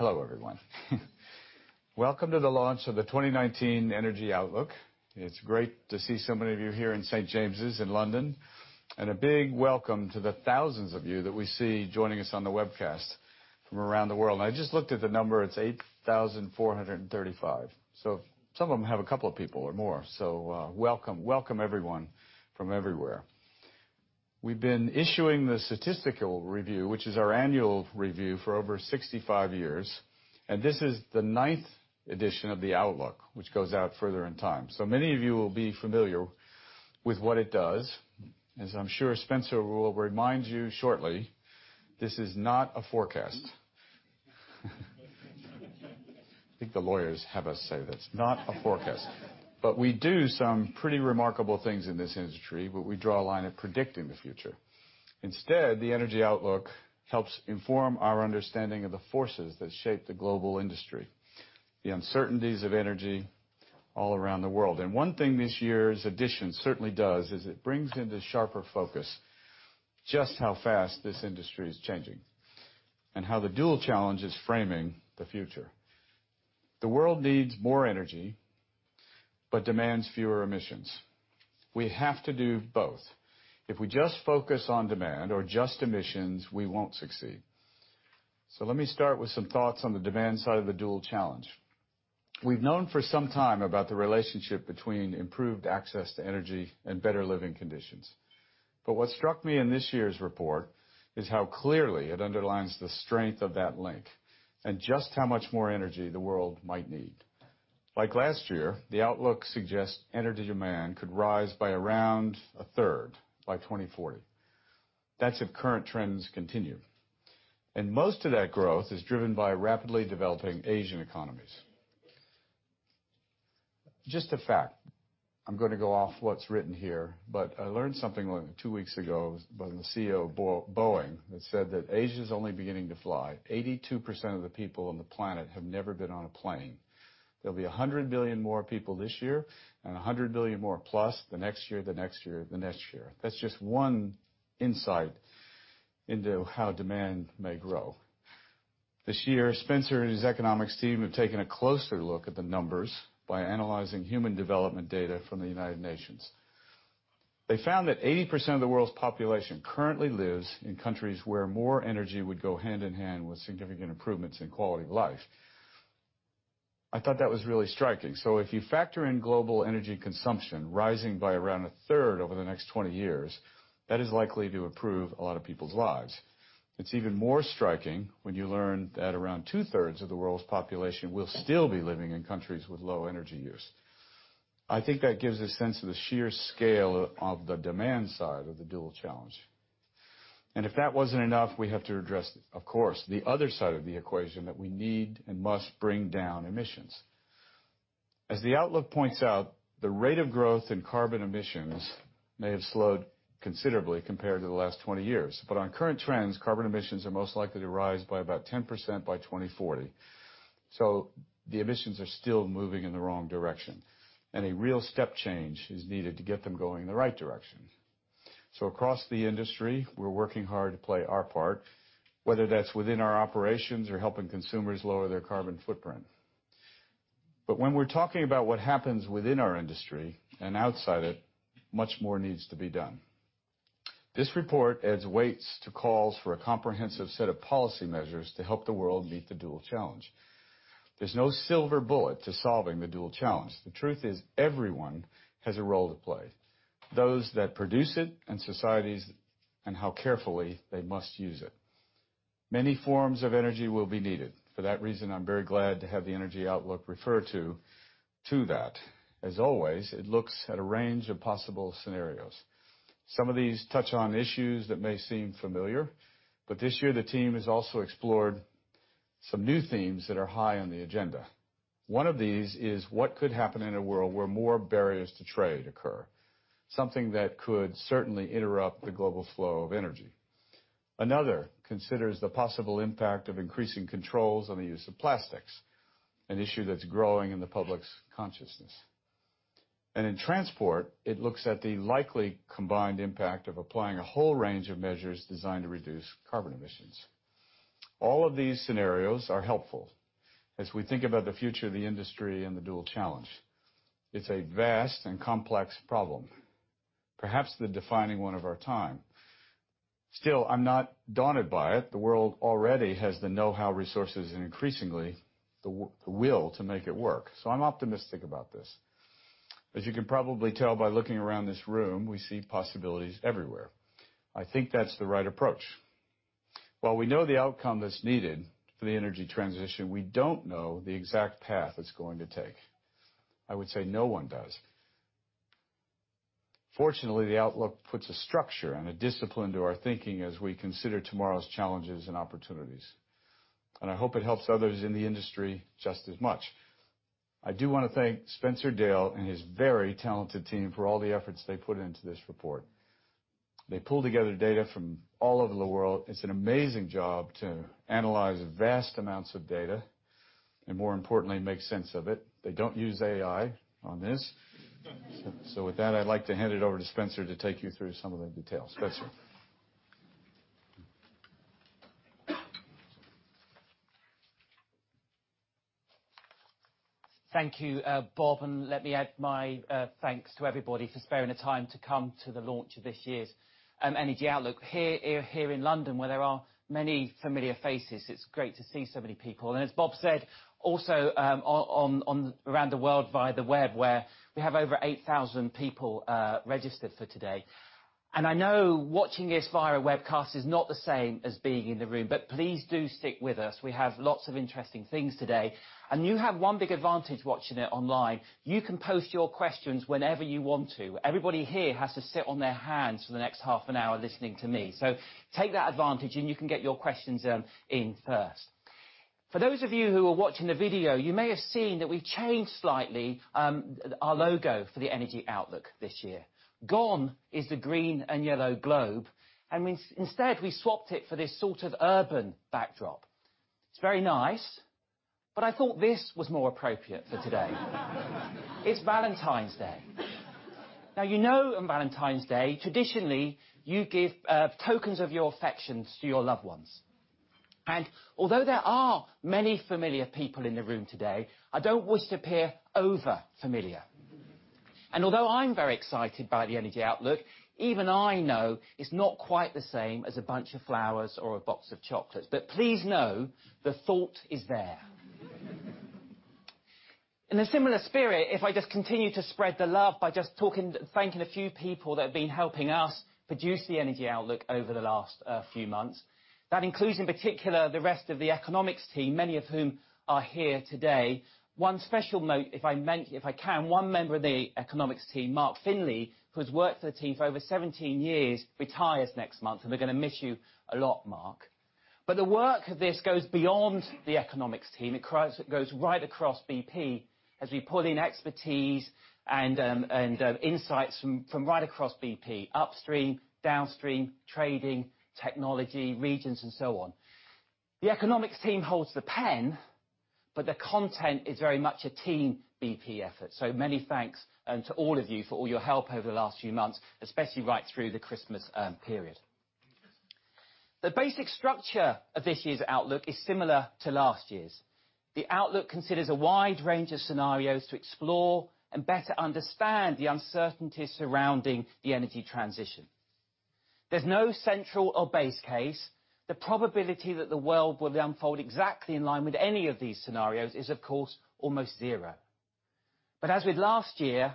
Hello, everyone. Welcome to the launch of the 2019 Energy Outlook. It's great to see so many of you here in St James's in London, and a big welcome to the thousands of you that we see joining us on the webcast from around the world. I just looked at the number, it's 8,435. Some of them have a couple of people or more, so welcome. Welcome everyone from everywhere. We've been issuing the Statistical Review, which is our annual review, for over 65 years, and this is the ninth edition of the Outlook, which goes out further in time. Many of you will be familiar with what it does. As I'm sure Spencer will remind you shortly, this is not a forecast. I think the lawyers have us say that. It's not a forecast. We do some pretty remarkable things in this industry, but we draw a line at predicting the future. Instead, the Energy Outlook helps inform our understanding of the forces that shape the global industry, the uncertainties of energy all around the world. One thing this year's edition certainly does, is it brings into sharper focus just how fast this industry is changing, and how the dual challenge is framing the future. The world needs more energy, but demands fewer emissions. We have to do both. If we just focus on demand or just emissions, we won't succeed. Let me start with some thoughts on the demand side of the dual challenge. We've known for some time about the relationship between improved access to energy and better living conditions. What struck me in this year's report is how clearly it underlines the strength of that link and just how much more energy the world might need. Like last year, the Outlook suggests energy demand could rise by around a third by 2040. That's if current trends continue. Most of that growth is driven by rapidly developing Asian economies. Just a fact, I'm going to go off what's written here, but I learned something like two weeks ago by the CEO of Boeing, that said that Asia's only beginning to fly. 82% of the people on the planet have never been on a plane. There'll be 100 billion more people this year, and 100 billion more plus the next year, the next year, the next year. That's just one insight into how demand may grow. This year, Spencer and his economics team have taken a closer look at the numbers by analyzing human development data from the United Nations. They found that 80% of the world's population currently lives in countries where more energy would go hand in hand with significant improvements in quality of life. I thought that was really striking. If you factor in global energy consumption rising by around a third over the next 20 years, that is likely to improve a lot of people's lives. It's even more striking when you learn that around two-thirds of the world's population will still be living in countries with low energy use. I think that gives a sense of the sheer scale of the demand side of the dual challenge. If that wasn't enough, we have to address, of course, the other side of the equation, that we need and must bring down emissions. As the Outlook points out, the rate of growth in carbon emissions may have slowed considerably compared to the last 20 years, but on current trends, carbon emissions are most likely to rise by about 10% by 2040. The emissions are still moving in the wrong direction, and a real step change is needed to get them going in the right direction. Across the industry, we're working hard to play our part, whether that's within our operations or helping consumers lower their carbon footprint. When we're talking about what happens within our industry and outside it, much more needs to be done. This report adds weights to calls for a comprehensive set of policy measures to help the world meet the dual challenge. There's no silver bullet to solving the dual challenge. The truth is everyone has a role to play, those that produce it and societies and how carefully they must use it. Many forms of energy will be needed. For that reason, I'm very glad to have the Energy Outlook refer to that. As always, it looks at a range of possible scenarios. Some of these touch on issues that may seem familiar, but this year the team has also explored some new themes that are high on the agenda. One of these is what could happen in a world where more barriers to trade occur, something that could certainly interrupt the global flow of energy. Another considers the possible impact of increasing controls on the use of plastics, an issue that's growing in the public's consciousness. In transport, it looks at the likely combined impact of applying a whole range of measures designed to reduce carbon emissions. All of these scenarios are helpful as we think about the future of the industry and the dual challenge. It's a vast and complex problem, perhaps the defining one of our time. Still, I'm not daunted by it. The world already has the know-how, resources, and increasingly, the will to make it work. I'm optimistic about this. As you can probably tell by looking around this room, we see possibilities everywhere. I think that's the right approach. While we know the outcome that's needed for the energy transition, we don't know the exact path it's going to take. I would say no one does. Fortunately, the Outlook puts a structure and a discipline to our thinking as we consider tomorrow's challenges and opportunities. I hope it helps others in the industry just as much. I do want to thank Spencer Dale and his very talented team for all the efforts they put into this report. They pull together data from all over the world. It's an amazing job to analyze vast amounts of data. And more importantly, make sense of it. They don't use AI on this. With that, I'd like to hand it over to Spencer to take you through some of the details. Spencer? Thank you, Bob, let me add my thanks to everybody for sparing the time to come to the launch of this year's Energy Outlook. Here in London, where there are many familiar faces, it's great to see so many people. As Bob said, also around the world via the web, where we have over 8,000 people registered for today. I know watching this via a webcast is not the same as being in the room, please do stick with us. We have lots of interesting things today, and you have one big advantage watching it online. You can post your questions whenever you want to. Everybody here has to sit on their hands for the next half an hour listening to me. Take that advantage and you can get your questions in first. For those of you who are watching the video, you may have seen that we've changed slightly our logo for the Energy Outlook this year. Gone is the green and yellow globe, instead we swapped it for this sort of urban backdrop. It's very nice, I thought this was more appropriate for today. It's Valentine's Day. You know on Valentine's Day, traditionally, you give tokens of your affections to your loved ones. Although there are many familiar people in the room today, I don't wish to appear over-familiar. Although I'm very excited by the Energy Outlook, even I know it's not quite the same as a bunch of flowers or a box of chocolates. Please know, the thought is there. In a similar spirit, if I just continue to spread the love by just thanking a few people that have been helping us produce the Energy Outlook over the last few months. That includes, in particular, the rest of the economics team, many of whom are here today. One special note, if I can, one member of the economics team, Mark Finley, who has worked for the team for over 17 years, retires next month, we're going to miss you a lot, Mark. The work of this goes beyond the economics team. It goes right across BP as we pull in expertise and insights from right across BP: upstream, downstream, trading, technology, regions, and so on. The economics team holds the pen, the content is very much a team BP effort. Many thanks to all of you for all your help over the last few months, especially right through the Christmas period. The basic structure of this year's outlook is similar to last year's. The outlook considers a wide range of scenarios to explore and better understand the uncertainty surrounding the energy transition. There's no central or base case. The probability that the world will unfold exactly in line with any of these scenarios is, of course, almost zero. As with last year,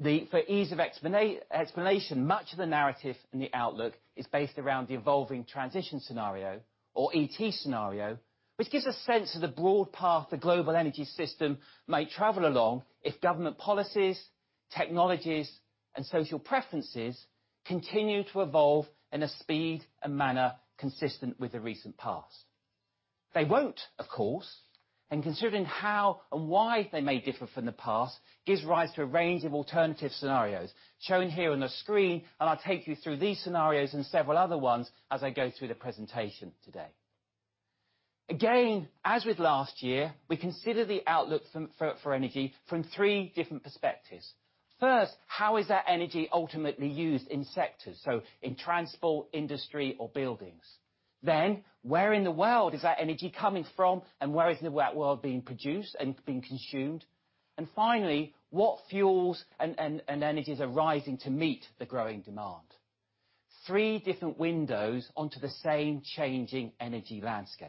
for ease of explanation, much of the narrative in the outlook is based around the Evolving Transition scenario, or ET scenario, which gives a sense of the broad path the global energy system may travel along if government policies, technologies, and social preferences continue to evolve in a speed and manner consistent with the recent past. Considering how and why they may differ from the past gives rise to a range of alternative scenarios, shown here on the screen. I'll take you through these scenarios and several other ones as I go through the presentation today. Again, as with last year, we consider the outlook for energy from three different perspectives. First, how is that energy ultimately used in sectors? In transport, industry, or buildings. Where in the world is that energy coming from and where in the world is being produced and being consumed? Finally, what fuels and energies are rising to meet the growing demand? Three different windows onto the same changing energy landscape.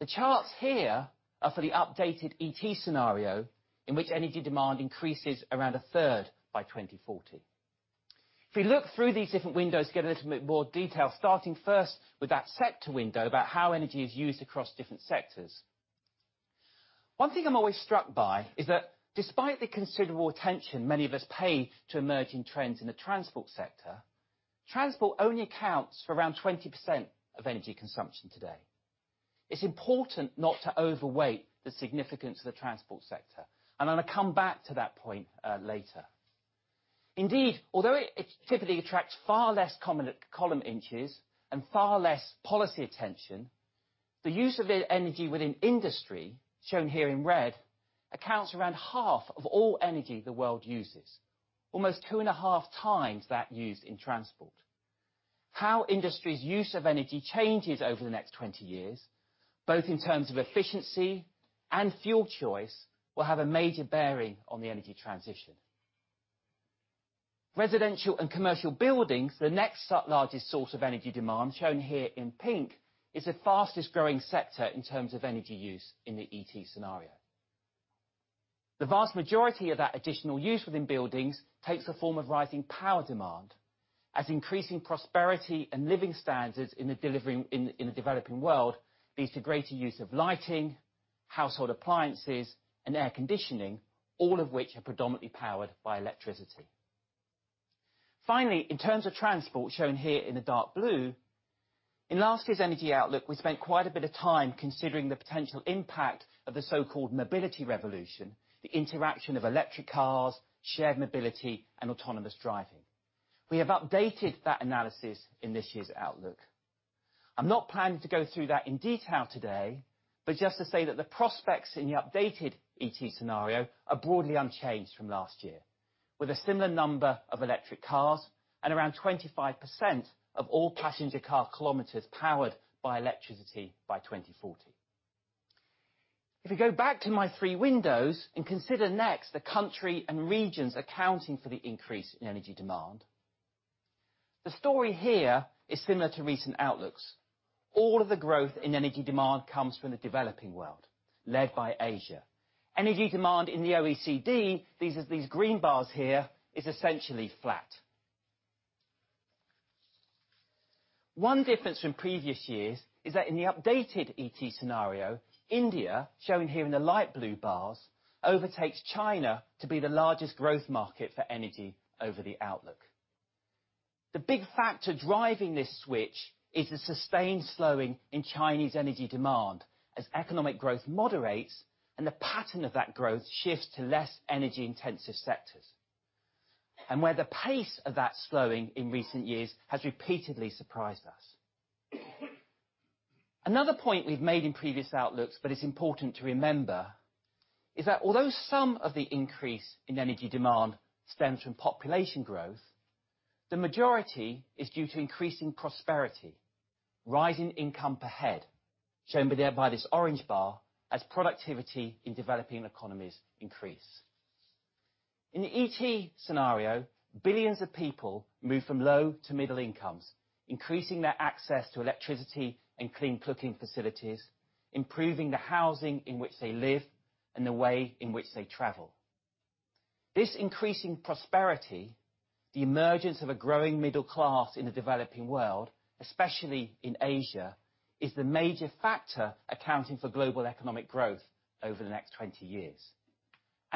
The charts here are for the updated ET scenario in which energy demand increases around a third by 2040. If we look through these different windows, get a little bit more detail, starting first with that sector window about how energy is used across different sectors. One thing I'm always struck by is that despite the considerable attention many of us pay to emerging trends in the transport sector, transport only accounts for around 20% of energy consumption today. It's important not to overweight the significance of the transport sector. I'm going to come back to that point later. Indeed, although it typically attracts far less column inches and far less policy attention, the use of energy within industry, shown here in red, accounts for around half of all energy the world uses, almost two and a half times that used in transport. How industry's use of energy changes over the next 20 years, both in terms of efficiency and fuel choice, will have a major bearing on the energy transition. Residential and commercial buildings, the next largest source of energy demand, shown here in pink, is the fastest growing sector in terms of energy use in the ET scenario. The vast majority of that additional use within buildings takes the form of rising power demand, as increasing prosperity and living standards in the developing world leads to greater use of lighting, household appliances, and air conditioning, all of which are predominantly powered by electricity. Finally, in terms of transport, shown here in the dark blue, in last year's Energy Outlook, we spent quite a bit of time considering the potential impact of the so-called mobility revolution, the interaction of electric cars, shared mobility, and autonomous driving. We have updated that analysis in this year's outlook. I'm not planning to go through that in detail today, but just to say that the prospects in the updated ET scenario are broadly unchanged from last year, with a similar number of electric cars and around 25% of all passenger car kilometers powered by electricity by 2040. If we go back to my three windows and consider next the country and regions accounting for the increase in energy demand, the story here is similar to recent outlooks. All of the growth in energy demand comes from the developing world, led by Asia. Energy demand in the OECD, these green bars here, is essentially flat. One difference from previous years is that in the updated ET scenario, India, shown here in the light blue bars, overtakes China to be the largest growth market for energy over the outlook. The big factor driving this switch is the sustained slowing in Chinese energy demand as economic growth moderates and the pattern of that growth shifts to less energy-intensive sectors, where the pace of that slowing in recent years has repeatedly surprised us. Another point we've made in previous outlooks, but it's important to remember, is that although some of the increase in energy demand stems from population growth, the majority is due to increasing prosperity, rising income per head, shown by this orange bar, as productivity in developing economies increase. In the ET scenario, billions of people move from low to middle incomes, increasing their access to electricity and clean cooking facilities, improving the housing in which they live, and the way in which they travel. This increasing prosperity, the emergence of a growing middle class in the developing world, especially in Asia, is the major factor accounting for global economic growth over the next 20 years.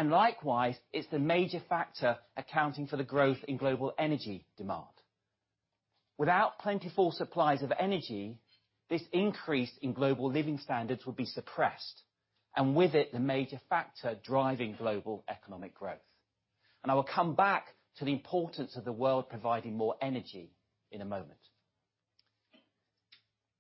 Likewise, it's the major factor accounting for the growth in global energy demand. Without plentiful supplies of energy, this increase in global living standards would be suppressed, and with it the major factor driving global economic growth. I will come back to the importance of the world providing more energy in a moment.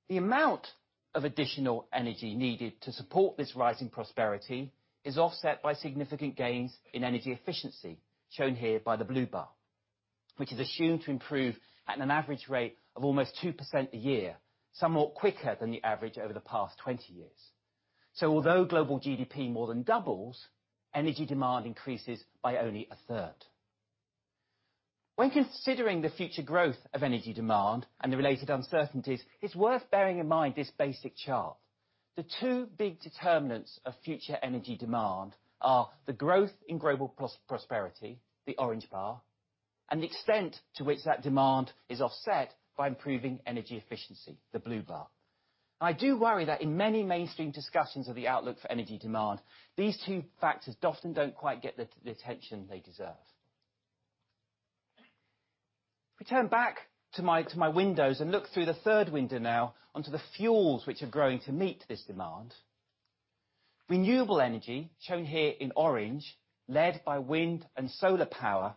The amount of additional energy needed to support this rise in prosperity is offset by significant gains in energy efficiency, shown here by the blue bar, which is assumed to improve at an average rate of almost 2% a year, somewhat quicker than the average over the past 20 years. Although global GDP more than doubles, energy demand increases by only a third. When considering the future growth of energy demand and the related uncertainties, it's worth bearing in mind this basic chart. The two big determinants of future energy demand are the growth in global prosperity, the orange bar, and the extent to which that demand is offset by improving energy efficiency, the blue bar. I do worry that in many mainstream discussions of the outlook for energy demand, these two factors often don't quite get the attention they deserve. If we turn back to my windows and look through the third window now onto the fuels which are growing to meet this demand, renewable energy, shown here in orange, led by wind and solar power,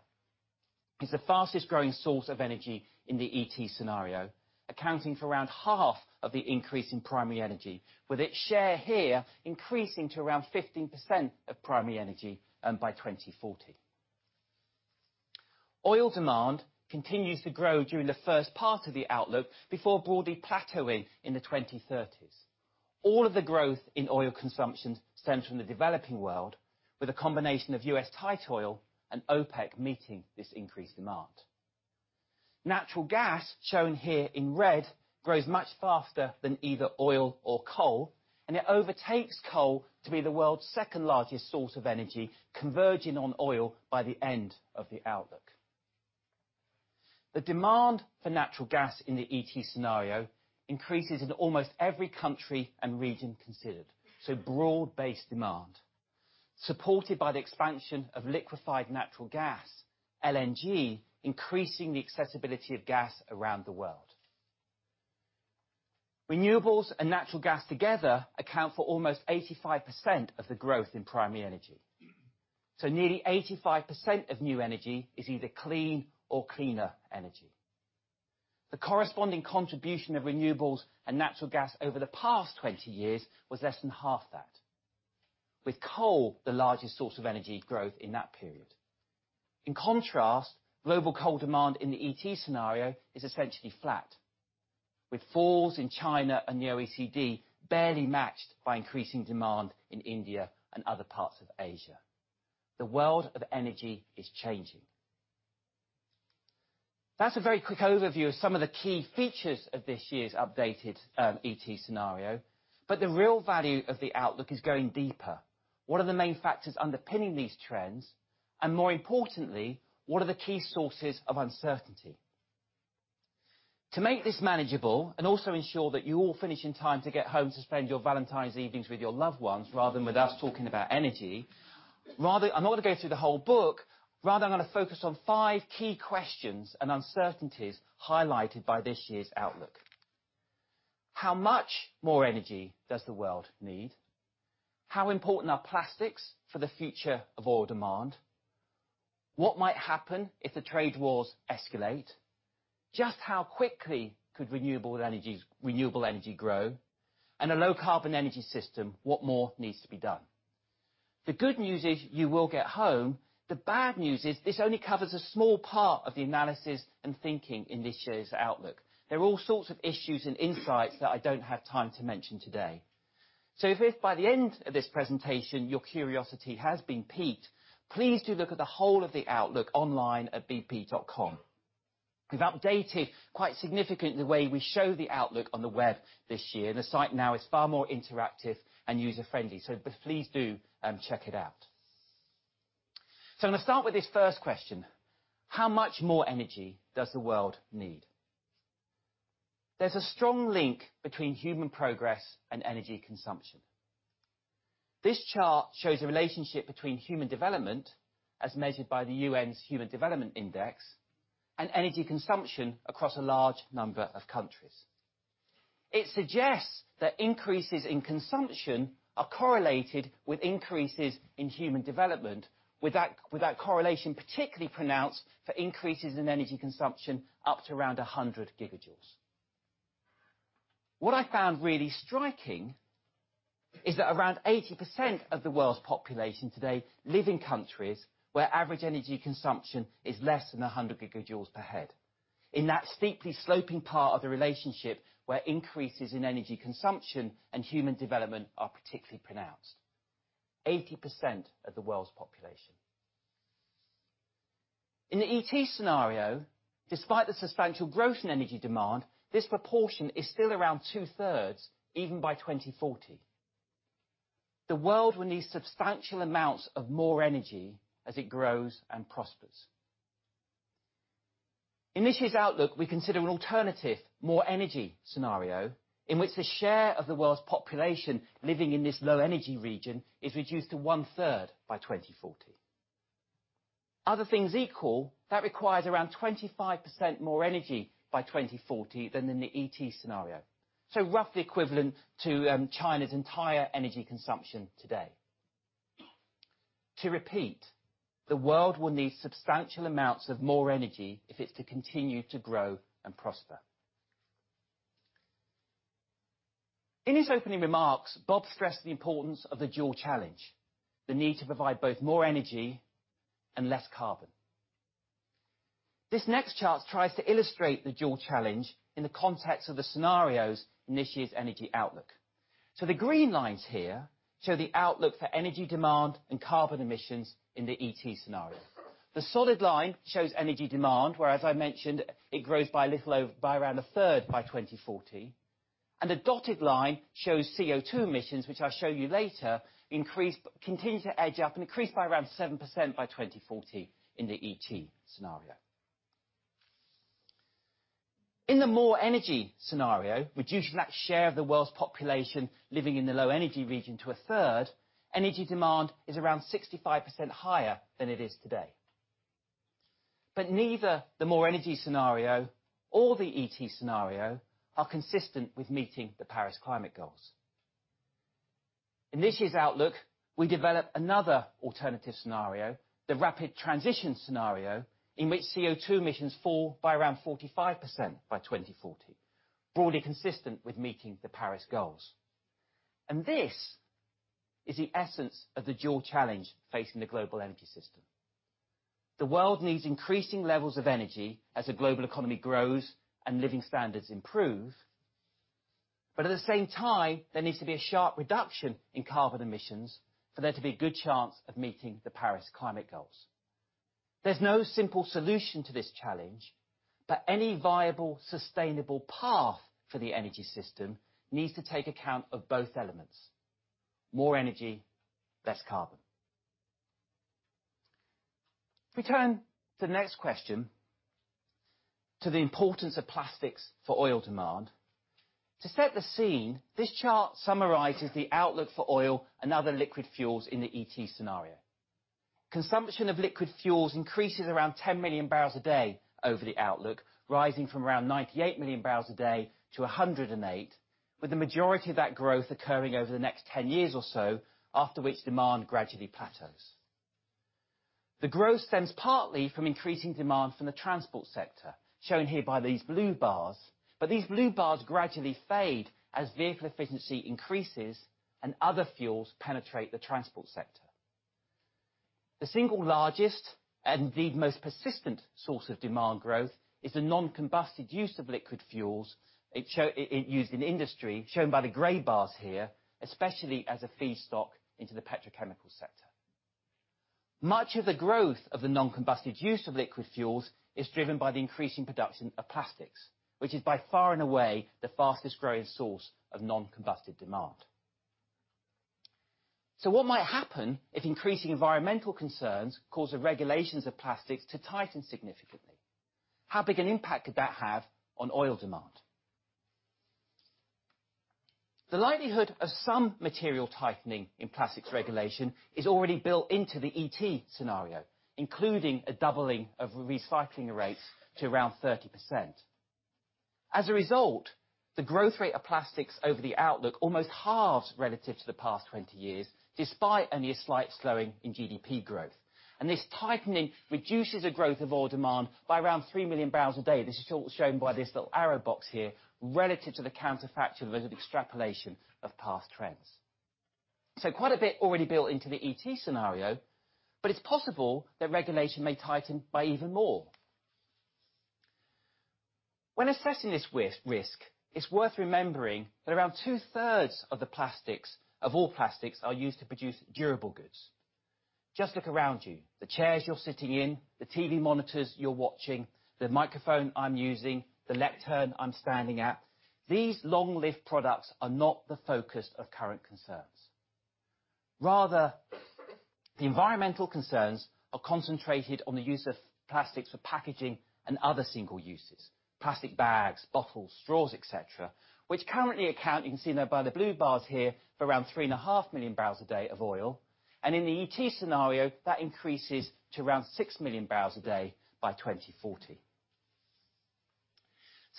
is the fastest-growing source of energy in the ET scenario, accounting for around half of the increase in primary energy, with its share here increasing to around 15% of primary energy by 2040. Oil demand continues to grow during the first part of the outlook before broadly plateauing in the 2030s. All of the growth in oil consumption stems from the developing world, with a combination of U.S. tight oil and OPEC meeting this increased demand. Natural gas, shown here in red, grows much faster than either oil or coal, it overtakes coal to be the world's second-largest source of energy, converging on oil by the end of the outlook. The demand for natural gas in the ET scenario increases in almost every country and region considered, broad-based demand, supported by the expansion of liquefied natural gas, LNG, increasing the accessibility of gas around the world. Renewables and natural gas together account for almost 85% of the growth in primary energy. Nearly 85% of new energy is either clean or cleaner energy. The corresponding contribution of renewables and natural gas over the past 20 years was less than half that, with coal the largest source of energy growth in that period. In contrast, global coal demand in the ET scenario is essentially flat, with falls in China and the OECD barely matched by increasing demand in India and other parts of Asia. The world of energy is changing. That's a very quick overview of some of the key features of this year's updated ET scenario, the real value of the outlook is going deeper. What are the main factors underpinning these trends? More importantly, what are the key sources of uncertainty? To make this manageable and also ensure that you all finish in time to get home to spend your Valentine's evenings with your loved ones rather than with us talking about energy, I'm not going to go through the whole book. Rather, I'm going to focus on five key questions and uncertainties highlighted by this year's outlook. How much more energy does the world need? How important are plastics for the future of oil demand? What might happen if the trade wars escalate? Just how quickly could renewable energy grow? A low carbon energy system, what more needs to be done? The good news is you will get home. The bad news is this only covers a small part of the analysis and thinking in this year's outlook. There are all sorts of issues and insights that I don't have time to mention today. If by the end of this presentation your curiosity has been piqued, please do look at the whole of the outlook online at bp.com. We've updated quite significantly the way we show the outlook on the web this year. The site now is far more interactive and user-friendly, please do check it out. I'm going to start with this first question: how much more energy does the world need? There's a strong link between human progress and energy consumption. This chart shows the relationship between human development, as measured by the UN's Human Development Index, and energy consumption across a large number of countries. It suggests that increases in consumption are correlated with increases in human development, with that correlation particularly pronounced for increases in energy consumption up to around 100 gigajoules. What I found really striking is that around 80% of the world's population today live in countries where average energy consumption is less than 100 gigajoules per head. In that steeply sloping part of the relationship where increases in energy consumption and human development are particularly pronounced. 80% of the world's population. In the ET scenario, despite the substantial growth in energy demand, this proportion is still around two-thirds even by 2040. The world will need substantial amounts of more energy as it grows and prospers. In this year's outlook, we consider an alternative More energy scenario in which the share of the world's population living in this low energy region is reduced to one-third by 2040. Other things equal, that requires around 25% more energy by 2040 than in the Evolving Transition scenario. Roughly equivalent to China's entire energy consumption today. To repeat, the world will need substantial amounts of more energy if it is to continue to grow and prosper. In his opening remarks, Bob stressed the importance of the dual challenge, the need to provide both more energy and less carbon. This next chart tries to illustrate the dual challenge in the context of the scenarios in this year's Energy Outlook. The green lines here show the outlook for energy demand and carbon emissions in the Evolving Transition scenario. The solid line shows energy demand, where, as I mentioned, it grows by around a third by 2040. The dotted line shows CO2 emissions, which I will show you later, continue to edge up and increase by around 7% by 2040 in the Evolving Transition scenario. In the More energy scenario, reduced by that share of the world's population living in the low energy region to a third, energy demand is around 65% higher than it is today. Neither the More energy scenario or the Evolving Transition scenario are consistent with meeting the Paris climate goals. In this year's outlook, we develop another alternative scenario, the Rapid Transition scenario, in which CO2 emissions fall by around 45% by 2040, broadly consistent with meeting the Paris goals. This is the essence of the dual challenge facing the global energy system. The world needs increasing levels of energy as the global economy grows and living standards improve. At the same time, there needs to be a sharp reduction in carbon emissions for there to be a good chance of meeting the Paris climate goals. There's no simple solution to this challenge, but any viable, sustainable path for the energy system needs to take account of both elements, more energy, less carbon. If we turn to the next question, to the importance of plastics for oil demand. To set the scene, this chart summarizes the outlook for oil and other liquid fuels in the Evolving Transition scenario. Consumption of liquid fuels increases around 10 million barrels a day over the outlook, rising from around 98 million barrels a day to 108, with the majority of that growth occurring over the next 10 years or so, after which demand gradually plateaus. The growth stems partly from increasing demand from the transport sector, shown here by these blue bars, but these blue bars gradually fade as vehicle efficiency increases and other fuels penetrate the transport sector. The single largest, and indeed most persistent, source of demand growth is the non-combusted use of liquid fuels used in industry, shown by the gray bars here, especially as a feedstock into the petrochemical sector. Much of the growth of the non-combusted use of liquid fuels is driven by the increasing production of plastics, which is by far and away the fastest growing source of non-combusted demand. What might happen if increasing environmental concerns cause the regulations of plastics to tighten significantly? How big an impact could that have on oil demand? The likelihood of some material tightening in plastics regulation is already built into the Evolving Transition scenario, including a doubling of recycling rates to around 30%. As a result, the growth rate of plastics over the outlook almost halves relative to the past 20 years, despite only a slight slowing in GDP growth. This tightening reduces the growth of oil demand by around 3 million barrels a day. This is shown by this little arrow box here, relative to the counterfactual, there's an extrapolation of past trends. Quite a bit already built into the ET scenario, but it's possible that regulation may tighten by even more. When assessing this risk, it's worth remembering that around two-thirds of all plastics are used to produce durable goods. Just look around you, the chairs you're sitting in, the TV monitors you're watching, the microphone I'm using, the lectern I'm standing at. These long-lived products are not the focus of current concerns. Rather, the environmental concerns are concentrated on the use of plastics for packaging and other single uses, plastic bags, bottles, straws, et cetera, which currently account, you can see by the blue bars here, for around 3.5 million barrels a day of oil. In the ET scenario, that increases to around 6 million barrels a day by 2040.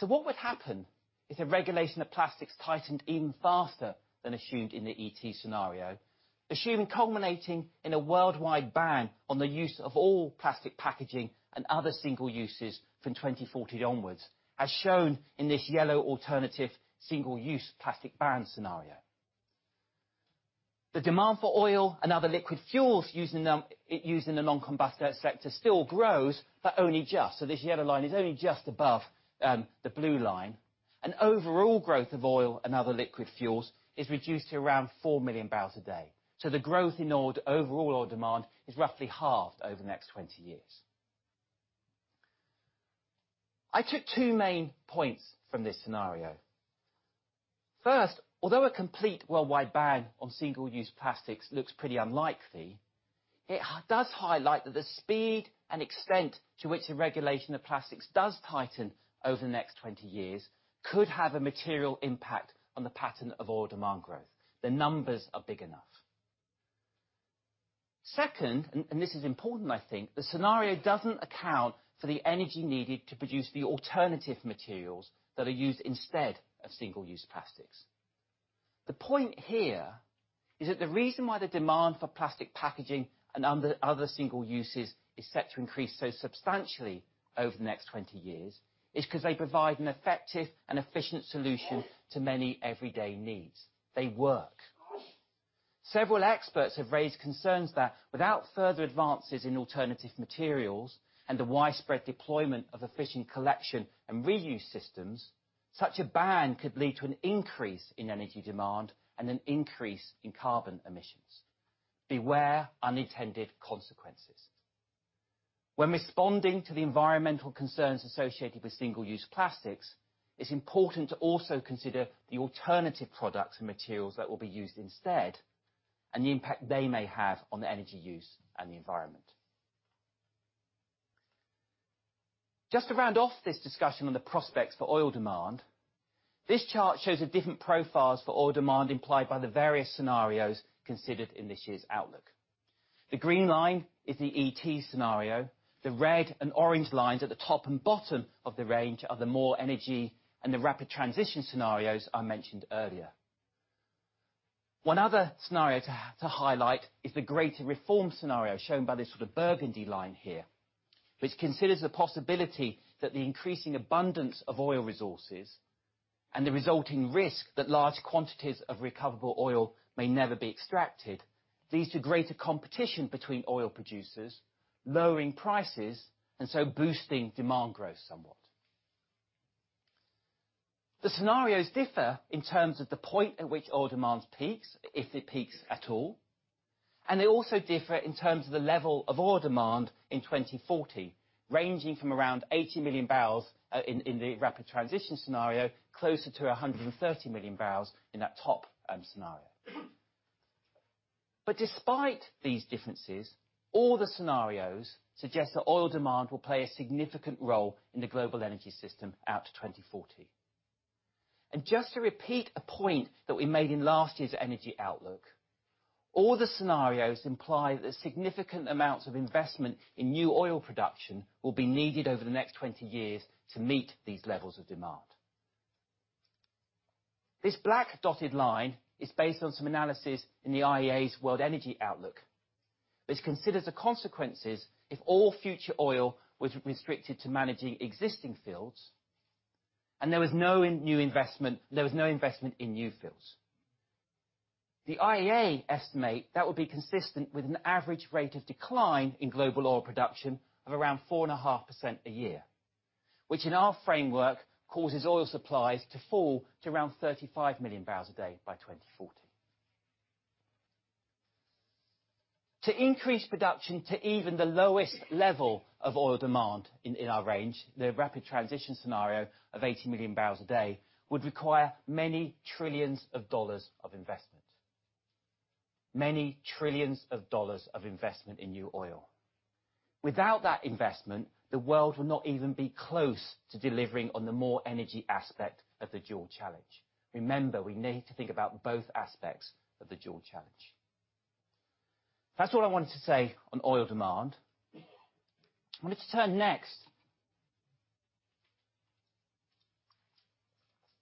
What would happen if the regulation of plastics tightened even faster than assumed in the ET scenario? Assuming culminating in a worldwide ban on the use of all plastic packaging and other single uses from 2040 onwards, as shown in this yellow alternative Single-use plastics ban scenario. The demand for oil and other liquid fuels used in the non-combusted sector still grows, but only just. This yellow line is only just above the blue line. Overall growth of oil and other liquid fuels is reduced to around 4 million barrels a day. The growth in overall oil demand is roughly halved over the next 20 years. I took two main points from this scenario. First, although a complete worldwide ban on single-use plastics looks pretty unlikely, it does highlight that the speed and extent to which the regulation of plastics does tighten over the next 20 years could have a material impact on the pattern of oil demand growth. The numbers are big enough. Second, and this is important I think, the scenario doesn't account for the energy needed to produce the alternative materials that are used instead of single-use plastics. The point here is that the reason why the demand for plastic packaging and other single uses is set to increase so substantially over the next 20 years is because they provide an effective and efficient solution to many everyday needs. They work. Several experts have raised concerns that without further advances in alternative materials and the widespread deployment of efficient collection and reuse systems, such a ban could lead to an increase in energy demand and an increase in carbon emissions. Beware unintended consequences. When responding to the environmental concerns associated with single-use plastics, it's important to also consider the alternative products and materials that will be used instead, and the impact they may have on the energy use and the environment. Just to round off this discussion on the prospects for oil demand, this chart shows the different profiles for oil demand implied by the various scenarios considered in this year's outlook. The green line is the ET scenario. The red and orange lines at the top and bottom of the range are the More energy and the Rapid Transition scenarios I mentioned earlier. One other scenario to highlight is the Greater reform scenario shown by this sort of burgundy line here, which considers the possibility that the increasing abundance of oil resources and the resulting risk that large quantities of recoverable oil may never be extracted, leads to greater competition between oil producers, lowering prices, boosting demand growth somewhat. The scenarios differ in terms of the point at which oil demand peaks, if it peaks at all, they also differ in terms of the level of oil demand in 2040, ranging from around 80 million barrels in the Rapid Transition scenario, closer to 130 million barrels in that top scenario. Despite these differences, all the scenarios suggest that oil demand will play a significant role in the global energy system out to 2040. Just to repeat a point that we made in last year's outlook, all the scenarios imply that significant amounts of investment in new oil production will be needed over the next 20 years to meet these levels of demand. This black dotted line is based on some analysis in the IEA's World Energy Outlook, which considers the consequences if all future oil was restricted to managing existing fields and there was no investment in new fields. The IEA estimate that would be consistent with an average rate of decline in global oil production of around 4.5% a year, which in our framework, causes oil supplies to fall to around 35 million barrels a day by 2040. To increase production to even the lowest level of oil demand in our range, the Rapid Transition scenario of 80 million barrels a day, would require many trillions of dollars of investment in new oil. Without that investment, the world will not even be close to delivering on the more energy aspect of the dual challenge. Remember, we need to think about both aspects of the dual challenge. That's all I wanted to say on oil demand. I wanted to turn next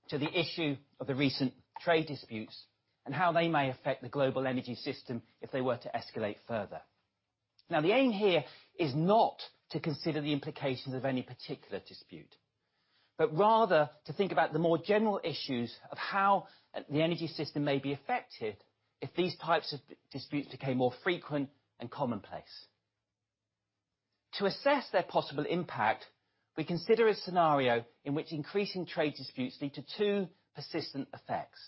to the issue of the recent trade disputes and how they may affect the global energy system if they were to escalate further. The aim here is not to consider the implications of any particular dispute, but rather to think about the more general issues of how the energy system may be affected if these types of disputes became more frequent and commonplace. To assess their possible impact, we consider a scenario in which increasing trade disputes lead to two persistent effects.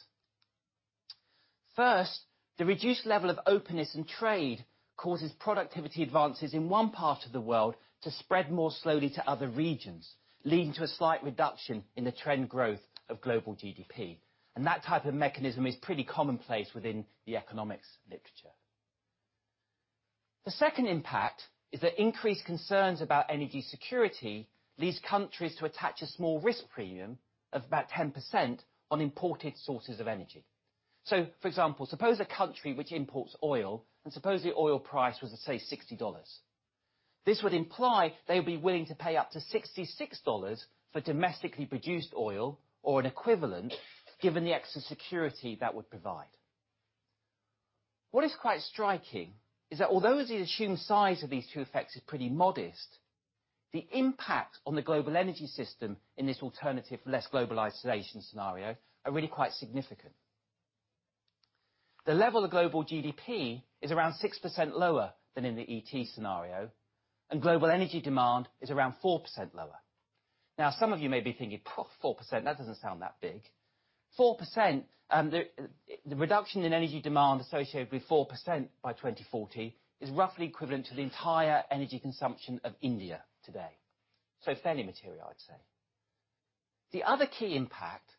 First, the reduced level of openness in trade causes productivity advances in one part of the world to spread more slowly to other regions, leading to a slight reduction in the trend growth of global GDP. That type of mechanism is pretty commonplace within the economics literature. The second impact is that increased concerns about energy security leads countries to attach a small risk premium of about 10% on imported sources of energy. For example, suppose a country which imports oil and suppose the oil price was, let's say, $60. This would imply they would be willing to pay up to $66 for domestically produced oil or an equivalent, given the extra security that would provide. What is quite striking is that although the assumed size of these two effects is pretty modest, the impact on the global energy system in this alternative, Less globalization scenario are really quite significant. The level of global GDP is around 6% lower than in the ET scenario, and global energy demand is around 4% lower. Some of you may be thinking, "4%, that doesn't sound that big." The reduction in energy demand associated with 4% by 2040 is roughly equivalent to the entire energy consumption of India today. So it's fairly material, I'd say. The other key impact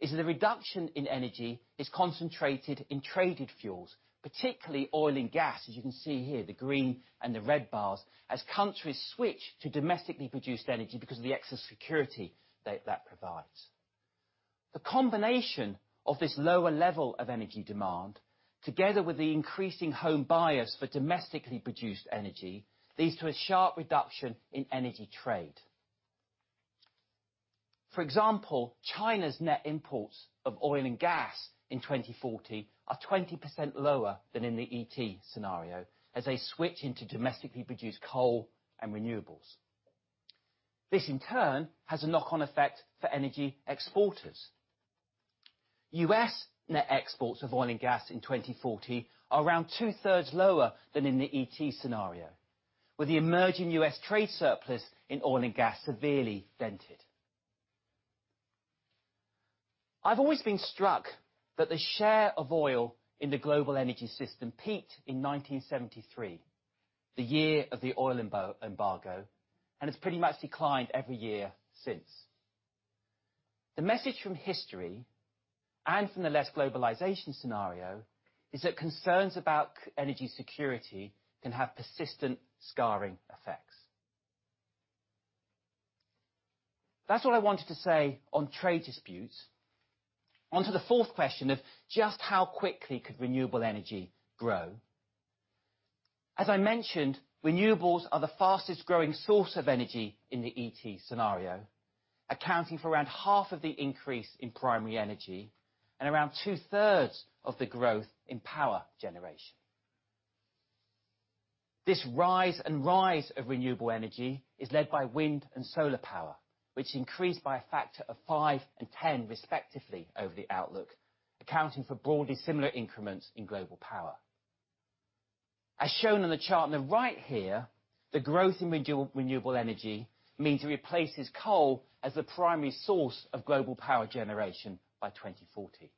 is that the reduction in energy is concentrated in traded fuels, particularly oil and gas, as you can see here, the green and the red bars, as countries switch to domestically produced energy because of the extra security that provides. The combination of this lower level of energy demand, together with the increasing home bias for domestically produced energy, leads to a sharp reduction in energy trade. For example, China's net imports of oil and gas in 2040 are 20% lower than in the ET scenario, as they switch into domestically produced coal and renewables. This, in turn, has a knock-on effect for energy exporters. U.S. net exports of oil and gas in 2040 are around two-thirds lower than in the ET scenario, with the emerging U.S. trade surplus in oil and gas severely dented. I've always been struck that the share of oil in the global energy system peaked in 1973, the year of the oil embargo, and has pretty much declined every year since. The message from history, and from the Less globalization scenario, is that concerns about energy security can have persistent scarring effects. That is all I wanted to say on trade disputes. On to the fourth question of just how quickly could renewable energy grow. As I mentioned, renewables are the fastest growing source of energy in the ET scenario, accounting for around half of the increase in primary energy and around two-thirds of the growth in power generation. This rise and rise of renewable energy is led by wind and solar power, which increased by a factor of five and 10, respectively, over the Energy Outlook, accounting for broadly similar increments in global power. As shown on the chart on the right here, the growth in renewable energy means it replaces coal as the primary source of global power generation by 2040.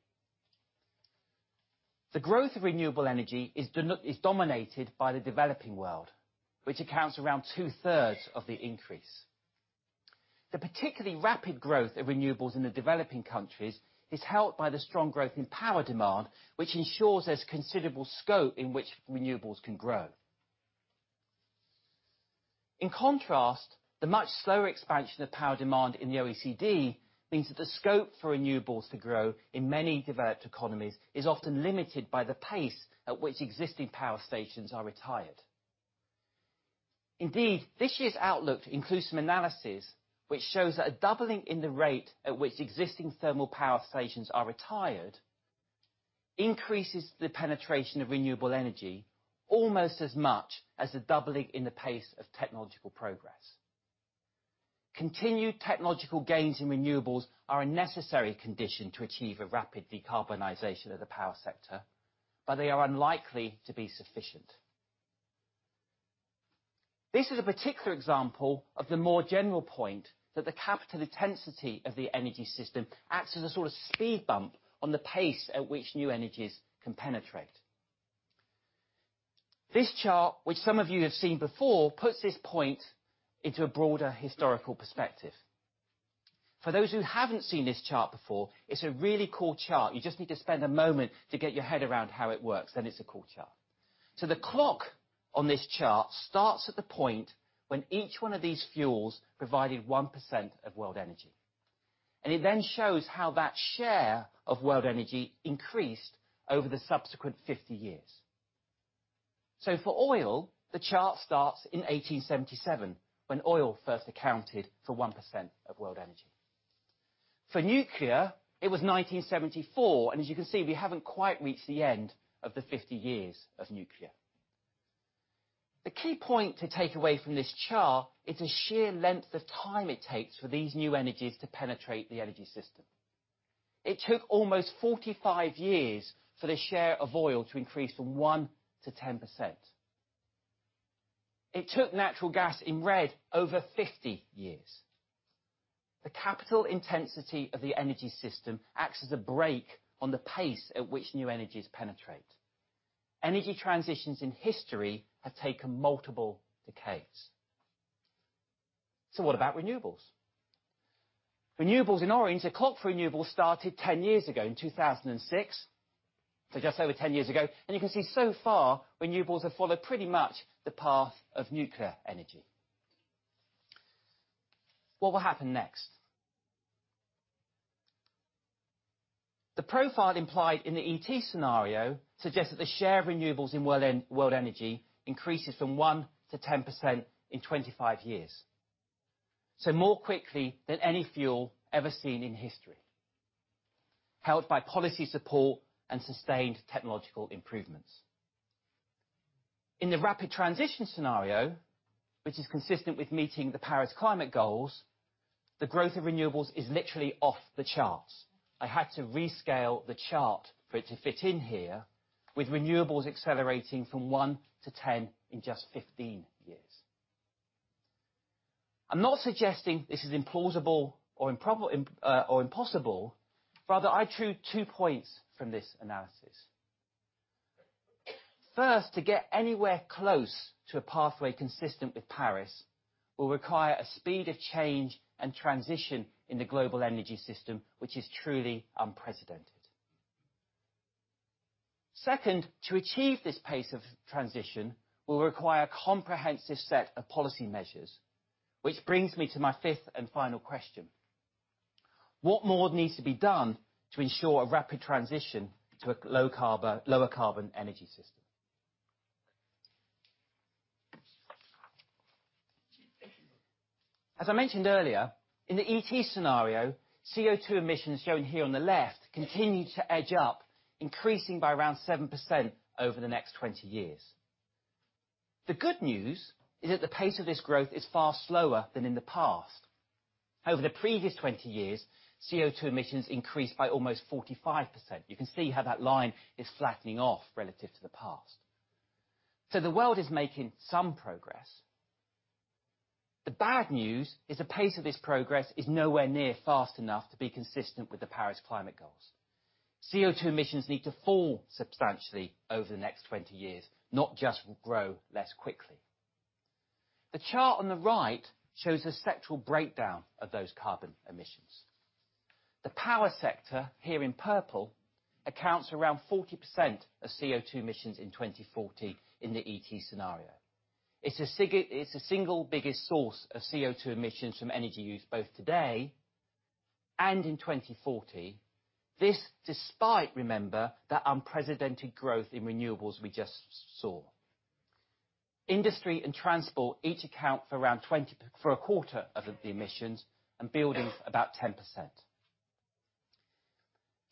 The growth of renewable energy is dominated by the developing world, which accounts around two-thirds of the increase. The particularly rapid growth of renewables in the developing countries is helped by the strong growth in power demand, which ensures there's considerable scope in which renewables can grow. In contrast, the much slower expansion of power demand in the OECD means that the scope for renewables to grow in many developed economies is often limited by the pace at which existing power stations are retired. This year's Energy Outlook includes some analysis which shows that a doubling in the rate at which existing thermal power stations are retired increases the penetration of renewable energy almost as much as a doubling in the pace of technological progress. Continued technological gains in renewables are a necessary condition to achieve a rapid decarbonization of the power sector, but they are unlikely to be sufficient. This is a particular example of the more general point that the capital intensity of the energy system acts as a sort of speed bump on the pace at which new energies can penetrate. This chart, which some of you have seen before, puts this point into a broader historical perspective. For those who haven't seen this chart before, it's a really cool chart. You just need to spend a moment to get your head around how it works, then it's a cool chart. The clock on this chart starts at the point when each one of these fuels provided 1% of world energy, and it then shows how that share of world energy increased over the subsequent 50 years. For oil, the chart starts in 1877 when oil first accounted for 1% of world energy. For nuclear, it was 1974, and as you can see, we haven't quite reached the end of the 50 years of nuclear. The key point to take away from this chart is the sheer length of time it takes for these new energies to penetrate the energy system. It took almost 45 years for the share of oil to increase from 1% to 10%. It took natural gas, in red, over 50 years. The capital intensity of the energy system acts as a brake on the pace at which new energies penetrate. Energy transitions in history have taken multiple decades. What about renewables? Renewables in orange. The clock for renewables started 10 years ago in 2006, just over 10 years ago, and you can see so far, renewables have followed pretty much the path of nuclear energy. What will happen next? The profile implied in the ET scenario suggests that the share of renewables in world energy increases from 1% to 10% in 25 years, more quickly than any fuel ever seen in history, helped by policy support and sustained technological improvements. In the Rapid Transition scenario, which is consistent with meeting the Paris climate goals, the growth of renewables is literally off the charts. I had to rescale the chart for it to fit in here, with renewables accelerating from 1 to 10 in just 15 years. I'm not suggesting this is implausible or impossible. Rather, I drew two points from this analysis. First, to get anywhere close to a pathway consistent with Paris will require a speed of change and transition in the global energy system, which is truly unprecedented. Second, to achieve this pace of transition will require a comprehensive set of policy measures, which brings me to my fifth and final question. What more needs to be done to ensure a rapid transition to a lower carbon energy system? As I mentioned earlier, in the ET scenario, CO2 emissions shown here on the left continued to edge up, increasing by around 7% over the next 20 years. The good news is that the pace of this growth is far slower than in the past. Over the previous 20 years, CO2 emissions increased by almost 45%. You can see how that line is flattening off relative to the past. The world is making some progress. The bad news is the pace of this progress is nowhere near fast enough to be consistent with the Paris climate goals. CO2 emissions need to fall substantially over the next 20 years, not just grow less quickly. The chart on the right shows the sectoral breakdown of those carbon emissions. The power sector, here in purple, accounts for around 40% of CO2 emissions in 2040 in the ET scenario. It's the single biggest source of CO2 emissions from energy use both today and in 2040. This despite, remember, that unprecedented growth in renewables we just saw. Industry and transport each account for a quarter of the emissions, and buildings about 10%.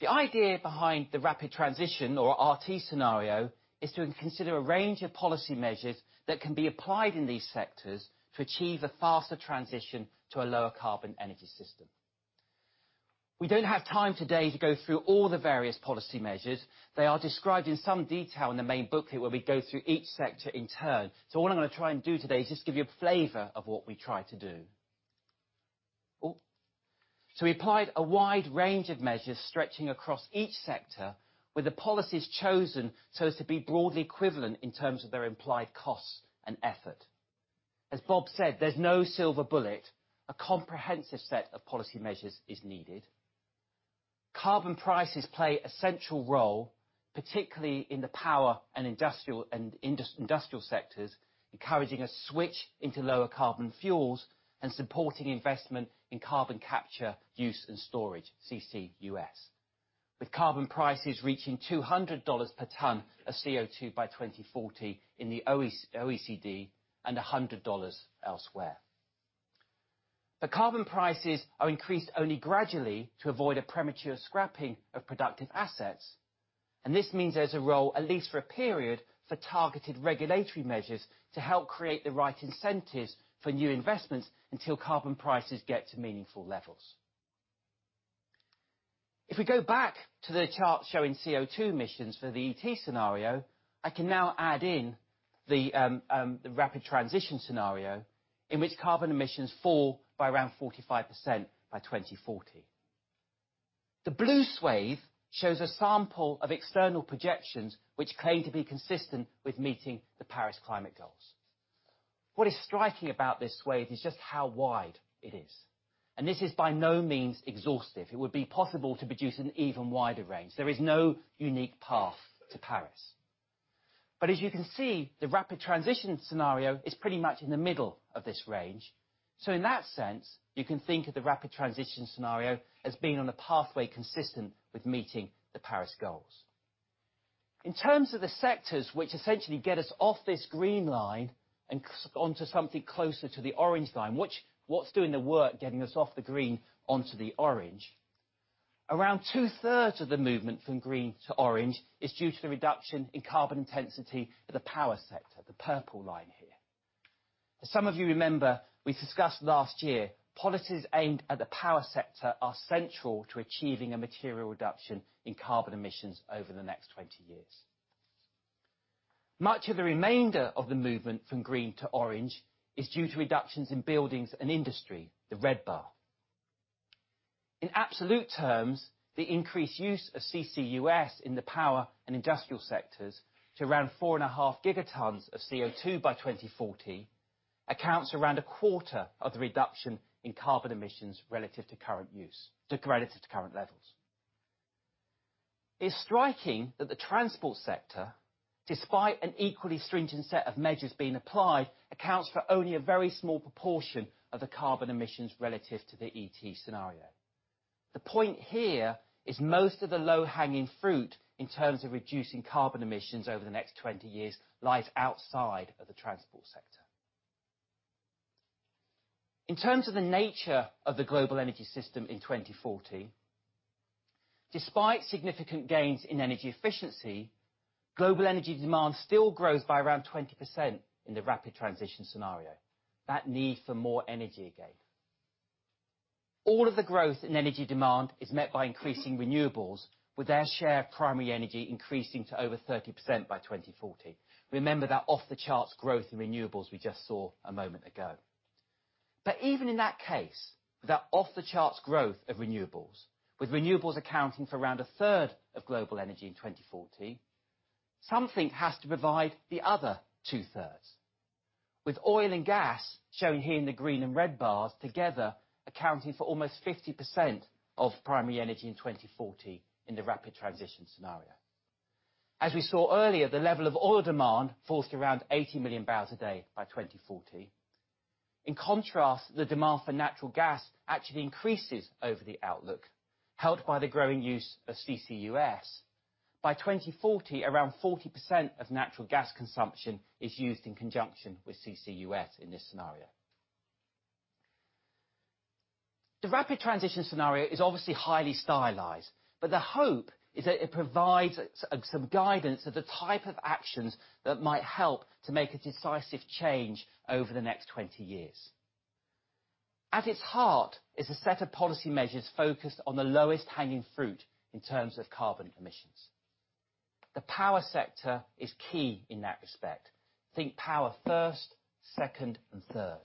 The idea behind the rapid transition or RT scenario is to consider a range of policy measures that can be applied in these sectors to achieve a faster transition to a lower carbon energy system. We don't have time today to go through all the various policy measures. They are described in some detail in the main booklet where we go through each sector in turn. What I'm going to try and do today is just give you a flavor of what we try to do. We applied a wide range of measures stretching across each sector, with the policies chosen so as to be broadly equivalent in terms of their implied costs and effort. As Bob said, there's no silver bullet. A comprehensive set of policy measures is needed. Carbon prices play a central role, particularly in the power and industrial sectors, encouraging a switch into lower carbon fuels and supporting investment in carbon capture, use and storage, CCUS. With carbon prices reaching $200 per ton of CO2 by 2040 in the OECD, and $100 elsewhere. The carbon prices are increased only gradually to avoid a premature scrapping of productive assets, and this means there's a role, at least for a period, for targeted regulatory measures to help create the right incentives for new investments until carbon prices get to meaningful levels. If we go back to the chart showing CO2 emissions for the ET scenario, I can now add in the rapid transition scenario in which carbon emissions fall by around 45% by 2040. The blue swath shows a sample of external projections which claim to be consistent with meeting the Paris climate goals. What is striking about this swath is just how wide it is, and this is by no means exhaustive. It would be possible to produce an even wider range. There is no unique path to Paris. As you can see, the rapid transition scenario is pretty much in the middle of this range. In that sense, you can think of the rapid transition scenario as being on a pathway consistent with meeting the Paris goals. In terms of the sectors which essentially get us off this green line and onto something closer to the orange line, what's doing the work getting us off the green onto the orange? Around two-thirds of the movement from green to orange is due to the reduction in carbon intensity of the power sector, the purple line here. As some of you remember, we discussed last year, policies aimed at the power sector are central to achieving a material reduction in carbon emissions over the next 20 years. Much of the remainder of the movement from green to orange is due to reductions in buildings and industry, the red bar. In absolute terms, the increased use of CCUS in the power and industrial sectors to around 4.5 gigatons of CO2 by 2040 accounts for around a quarter of the reduction in carbon emissions relative to current levels. It is striking that the transport sector, despite an equally stringent set of measures being applied, accounts for only a very small proportion of the carbon emissions relative to the ET scenario. The point here is most of the low-hanging fruit, in terms of reducing carbon emissions over the next 20 years, lies outside of the transport sector. In terms of the nature of the global energy system in 2040, despite significant gains in energy efficiency, global energy demand still grows by around 20% in the Rapid Transition scenario. That need for more energy again. All of the growth in energy demand is met by increasing renewables, with their share of primary energy increasing to over 30% by 2040. Remember that off-the-charts growth in renewables we just saw a moment ago. Even in that case, with that off-the-charts growth of renewables, with renewables accounting for around a third of global energy in 2040, something has to provide the other two-thirds. With oil and gas, shown here in the green and red bars, together accounting for almost 50% of primary energy in 2040 in the Rapid Transition scenario. As we saw earlier, the level of oil demand falls to around 80 million barrels a day by 2040. In contrast, the demand for natural gas actually increases over the outlook, helped by the growing use of CCUS. By 2040, around 40% of natural gas consumption is used in conjunction with CCUS in this scenario. The Rapid Transition scenario is obviously highly stylized, the hope is that it provides some guidance of the type of actions that might help to make a decisive change over the next 20 years. At its heart is a set of policy measures focused on the lowest-hanging fruit in terms of carbon emissions. The power sector is key in that respect. Think power first, second, and third.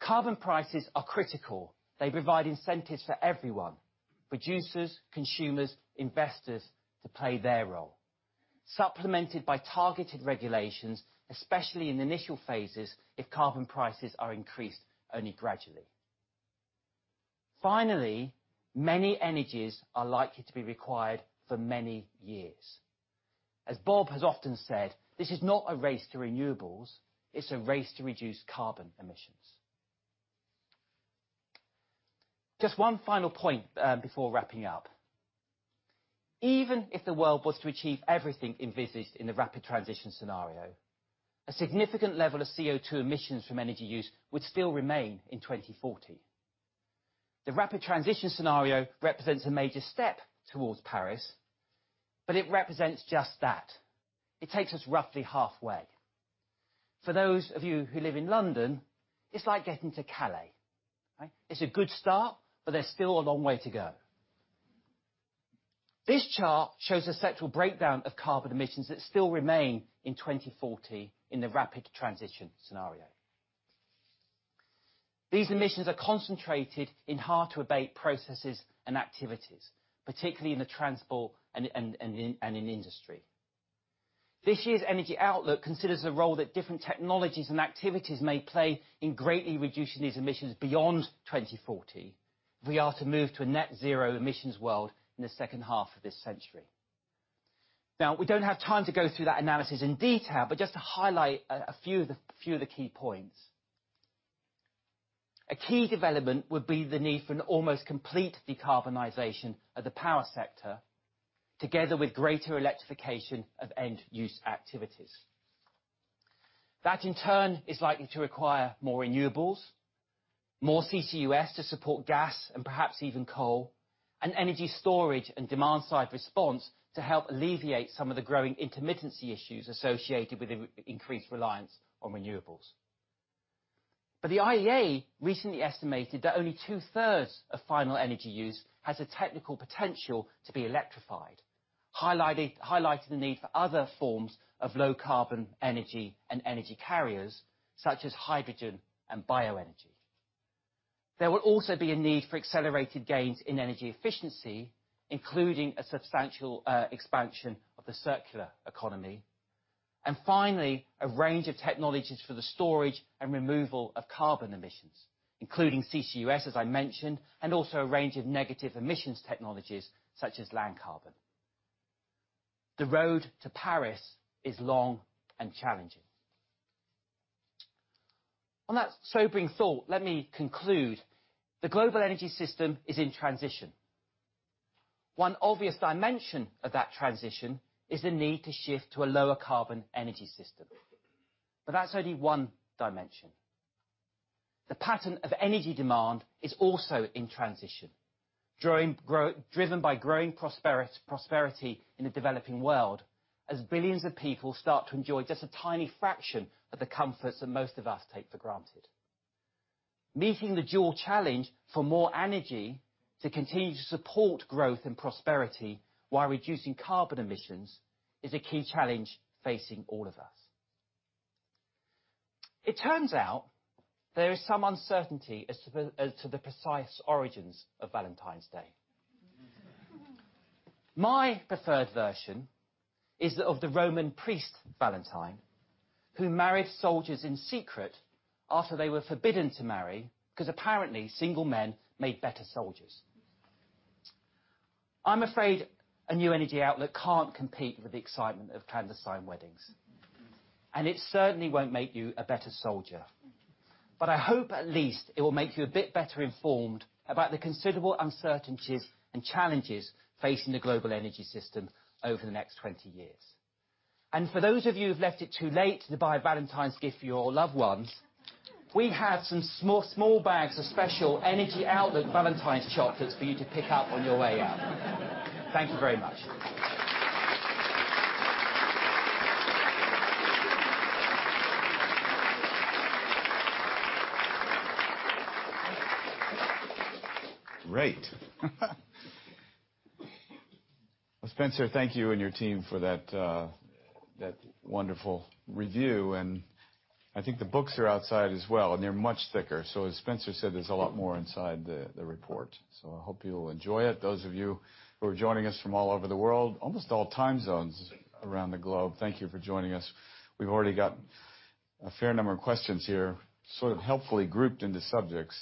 Carbon prices are critical. They provide incentives for everyone, producers, consumers, investors, to play their role, supplemented by targeted regulations, especially in initial phases, if carbon prices are increased only gradually. Finally, many energies are likely to be required for many years. As Bob has often said, this is not a race to renewables, it's a race to reduce carbon emissions. Just one final point before wrapping up. Even if the world was to achieve everything envisaged in the Rapid Transition scenario, a significant level of CO2 emissions from energy use would still remain in 2040. The Rapid Transition scenario represents a major step towards Paris, it represents just that. It takes us roughly halfway. For those of you who live in London, it's like getting to Calais. It's a good start, there's still a long way to go. This chart shows a sectoral breakdown of carbon emissions that still remain in 2040 in the Rapid Transition scenario. These emissions are concentrated in hard-to-abate processes and activities, particularly in the transport and in industry. This year's Energy Outlook considers the role that different technologies and activities may play in greatly reducing these emissions beyond 2040 if we are to move to a net zero emissions world in the second half of this century. We don't have time to go through that analysis in detail, just to highlight a few of the key points. A key development would be the need for an almost complete decarbonization of the power sector, together with greater electrification of end-use activities. That, in turn, is likely to require more renewables, more CCUS to support gas and perhaps even coal, and energy storage and demand-side response to help alleviate some of the growing intermittency issues associated with the increased reliance on renewables. The IEA recently estimated that only two-thirds of final energy use has the technical potential to be electrified highlighted the need for other forms of low carbon energy and energy carriers, such as hydrogen and bioenergy. There will also be a need for accelerated gains in energy efficiency, including a substantial expansion of the circular economy. Finally, a range of technologies for the storage and removal of carbon emissions, including CCUS, as I mentioned, and also a range of negative emissions technologies such as land carbon. The road to Paris is long and challenging. On that sobering thought, let me conclude. The global energy system is in transition. One obvious dimension of that transition is the need to shift to a lower carbon energy system. That's only one dimension. The pattern of energy demand is also in transition, driven by growing prosperity in the developing world, as billions of people start to enjoy just a tiny fraction of the comforts that most of us take for granted. Meeting the dual challenge for more energy to continue to support growth and prosperity while reducing carbon emissions is a key challenge facing all of us. It turns out there is some uncertainty as to the precise origins of Valentine's Day. My preferred version is that of the Roman priest, Valentine, who married soldiers in secret after they were forbidden to marry, because apparently single men made better soldiers. I'm afraid a New Energy Outlook can't compete with the excitement of clandestine weddings, and it certainly won't make you a better soldier. I hope at least it will make you a bit better informed about the considerable uncertainties and challenges facing the global energy system over the next 20 years. For those of you who've left it too late to buy a Valentine's gift for your loved ones, we have some small bags of special Energy Outlook Valentine's chocolates for you to pick up on your way out. Thank you very much. Great. Well, Spencer, thank you and your team for that wonderful review. I think the books are outside as well, they're much thicker. As Spencer said, there's a lot more inside the report. I hope you'll enjoy it. Those of you who are joining us from all over the world, almost all time zones around the globe, thank you for joining us. We've already got a fair number of questions here, sort of helpfully grouped into subjects.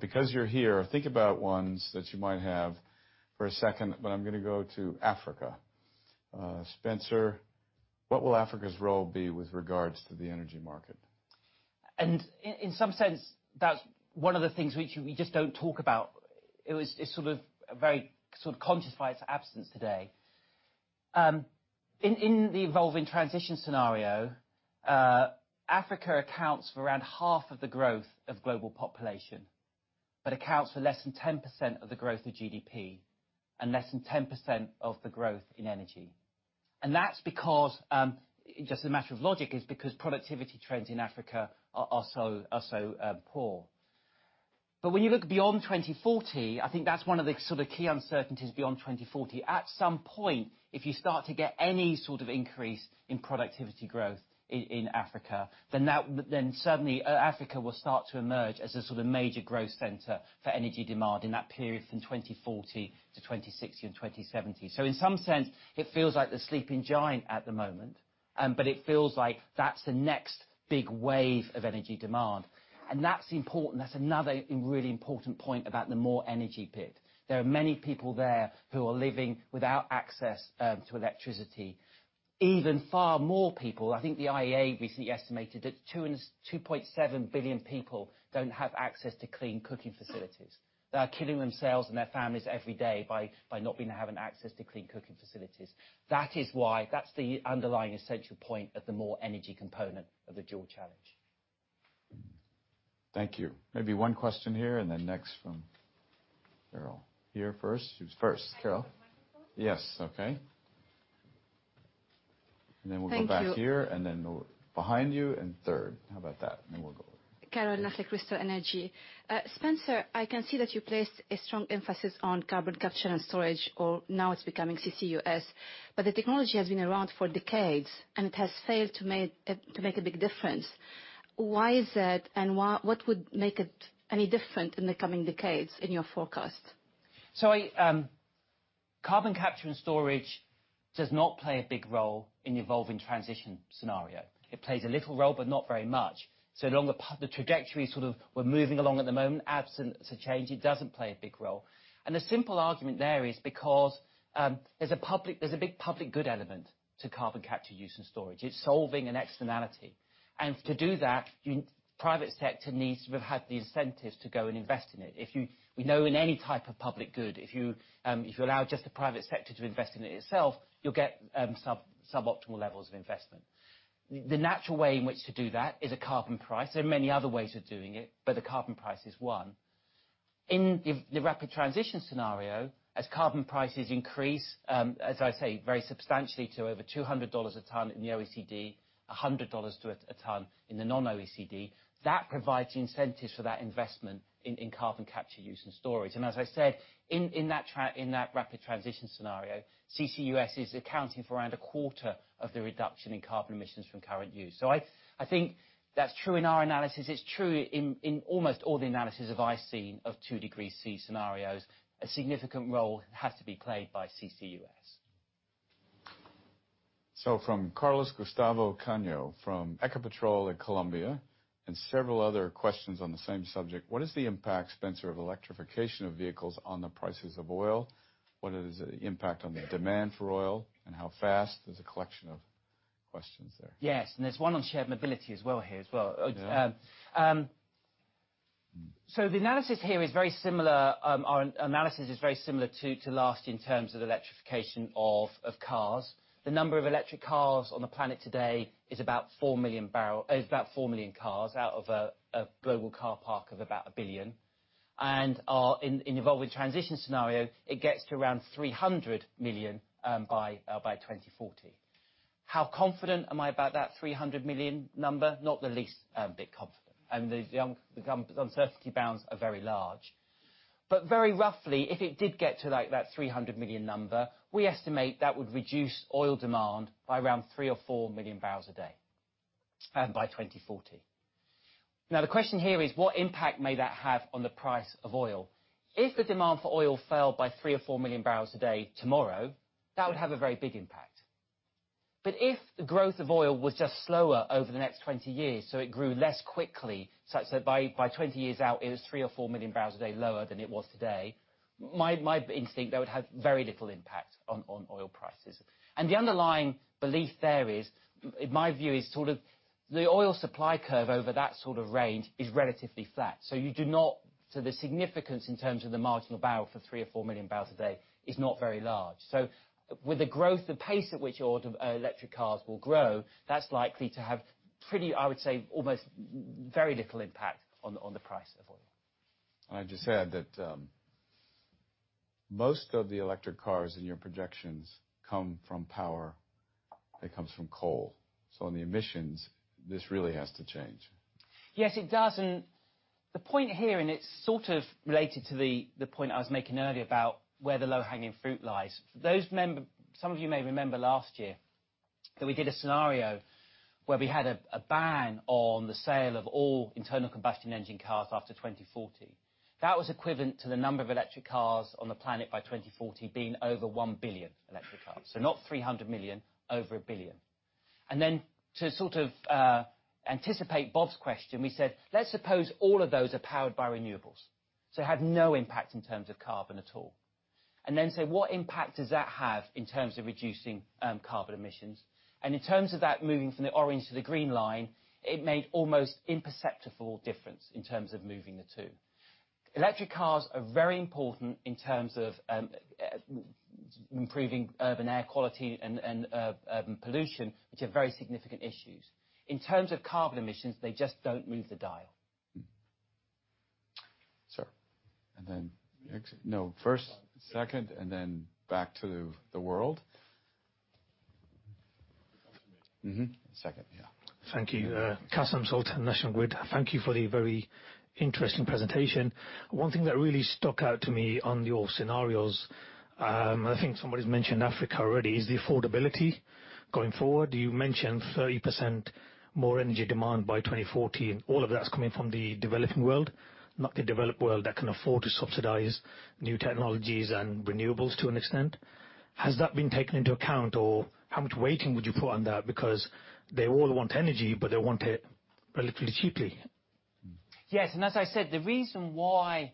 Because you're here, think about ones that you might have for a second. I'm going to go to Africa. Spencer, what will Africa's role be with regards to the energy market? In some sense, that's one of the things which we just don't talk about. It's very conspicuous by its absence today. In the Evolving Transition scenario, Africa accounts for around half of the growth of global population, but accounts for less than 10% of the growth of GDP and less than 10% of the growth in energy. That's because, just as a matter of logic, productivity trends in Africa are so poor. When you look beyond 2040, I think that's one of the key uncertainties beyond 2040. At some point, if you start to get any sort of increase in productivity growth in Africa, suddenly Africa will start to emerge as a major growth center for energy demand in that period from 2040 to 2060 and 2070. In some sense, it feels like the sleeping giant at the moment, but it feels like that's the next big wave of energy demand. That's important. That's another really important point about the more energy bit. There are many people there who are living without access to electricity. Even far more people, I think the IEA recently estimated that 2.7 billion people don't have access to clean cooking facilities. They are killing themselves and their families every day by not having access to clean cooking facilities. That is why, that's the underlying essential point of the more energy component of the dual challenge. Thank you. Maybe one question here and next from Carole. Here first. Who's first? Carole? Can I have the microphone? Yes. Okay. Then we'll go back here. Thank you Then behind you and third. How about that? Then we'll go. Carole Nakhle, Crystol Energy. Spencer, I can see that you placed a strong emphasis on carbon capture and storage, or now it's becoming CCUS, but the technology has been around for decades and it has failed to make a big difference. Why is that, and what would make it any different in the coming decades in your forecast? Carbon capture and storage does not play a big role in the Evolving Transition scenario. It plays a little role, but not very much. Along the trajectory sort of we're moving along at the moment, absent to change, it doesn't play a big role. The simple argument there is because there's a big public good element to carbon capture use and storage. It's solving an externality. To do that, private sector needs to have had the incentives to go and invest in it. We know in any type of public good, if you allow just the private sector to invest in it itself, you'll get suboptimal levels of investment. The natural way in which to do that is a carbon price. There are many other ways of doing it, but the carbon price is one. In the Rapid Transition scenario, as carbon prices increase, as I say, very substantially to over $200 a ton in the OECD, $100 a ton in the non-OECD, that provides the incentives for that investment in carbon capture use and storage. As I said, in that Rapid Transition scenario, CCUS is accounting for around a quarter of the reduction in carbon emissions from current use. I think that's true in our analysis. It's true in almost all the analysis I've seen of two degree C scenarios. A significant role has to be played by CCUS. From Carlos Gustavo Cano from Ecopetrol in Colombia, several other questions on the same subject, what is the impact, Spencer, of electrification of vehicles on the prices of oil? What is the impact on the demand for oil, and how fast? There's a collection of questions there. Yes, there's one on shared mobility as well here. Yeah. Our analysis is very similar to last in terms of electrification of cars. The number of electric cars on the planet today is about 4 million cars out of a global car park of about 1 billion. In Evolving Transition scenario, it gets to around 300 million by 2040. How confident am I about that 300 million number? Not the least bit confident. The uncertainty bounds are very large. Very roughly, if it did get to that 300 million number, we estimate that would reduce oil demand by around three or four million barrels a day by 2040. The question here is, what impact may that have on the price of oil? If the demand for oil fell by three or four million barrels a day tomorrow, that would have a very big impact. If the growth of oil was just slower over the next 20 years, so it grew less quickly, so by 20 years out, it was three or four million barrels a day lower than it was today, my instinct, that would have very little impact on oil prices. The underlying belief there is, in my view, is the oil supply curve over that sort of range is relatively flat. The significance in terms of the marginal barrel for three or four million barrels a day is not very large. With the growth, the pace at which electric cars will grow, that's likely to have pretty, I would say, almost very little impact on the price of oil. I just add that most of the electric cars in your projections come from power that comes from coal. On the emissions, this really has to change. Yes, it does. The point here, it's sort of related to the point I was making earlier about where the low-hanging fruit lies. Some of you may remember last year that we did a scenario where we had a ban on the sale of all internal combustion engine cars after 2040. That was equivalent to the number of electric cars on the planet by 2040 being over 1 billion electric cars. Not 300 million, over 1 billion. Then to sort of anticipate Bob's question, we said, let's suppose all of those are powered by renewables, so have no impact in terms of carbon at all. Then say, what impact does that have in terms of reducing carbon emissions? In terms of that moving from the orange to the green line, it made almost imperceptible difference in terms of moving the two. Electric cars are very important in terms of improving urban air quality and pollution, which are very significant issues. In terms of carbon emissions, they just don't move the dial. Sir, then next. No, first, second, then back to the world. Second, yeah. Thank you. Qasir Sultan, National Grid. Thank you for the very interesting presentation. One thing that really stuck out to me on your scenarios, I think somebody's mentioned Africa already, is the affordability going forward. You mentioned 30% more energy demand by 2040, all of that's coming from the developing world, not the developed world that can afford to subsidize new technologies and renewables to an extent. Has that been taken into account, or how much weighting would you put on that? They all want energy, but they want it relatively cheaply. Yes. As I said, the reason why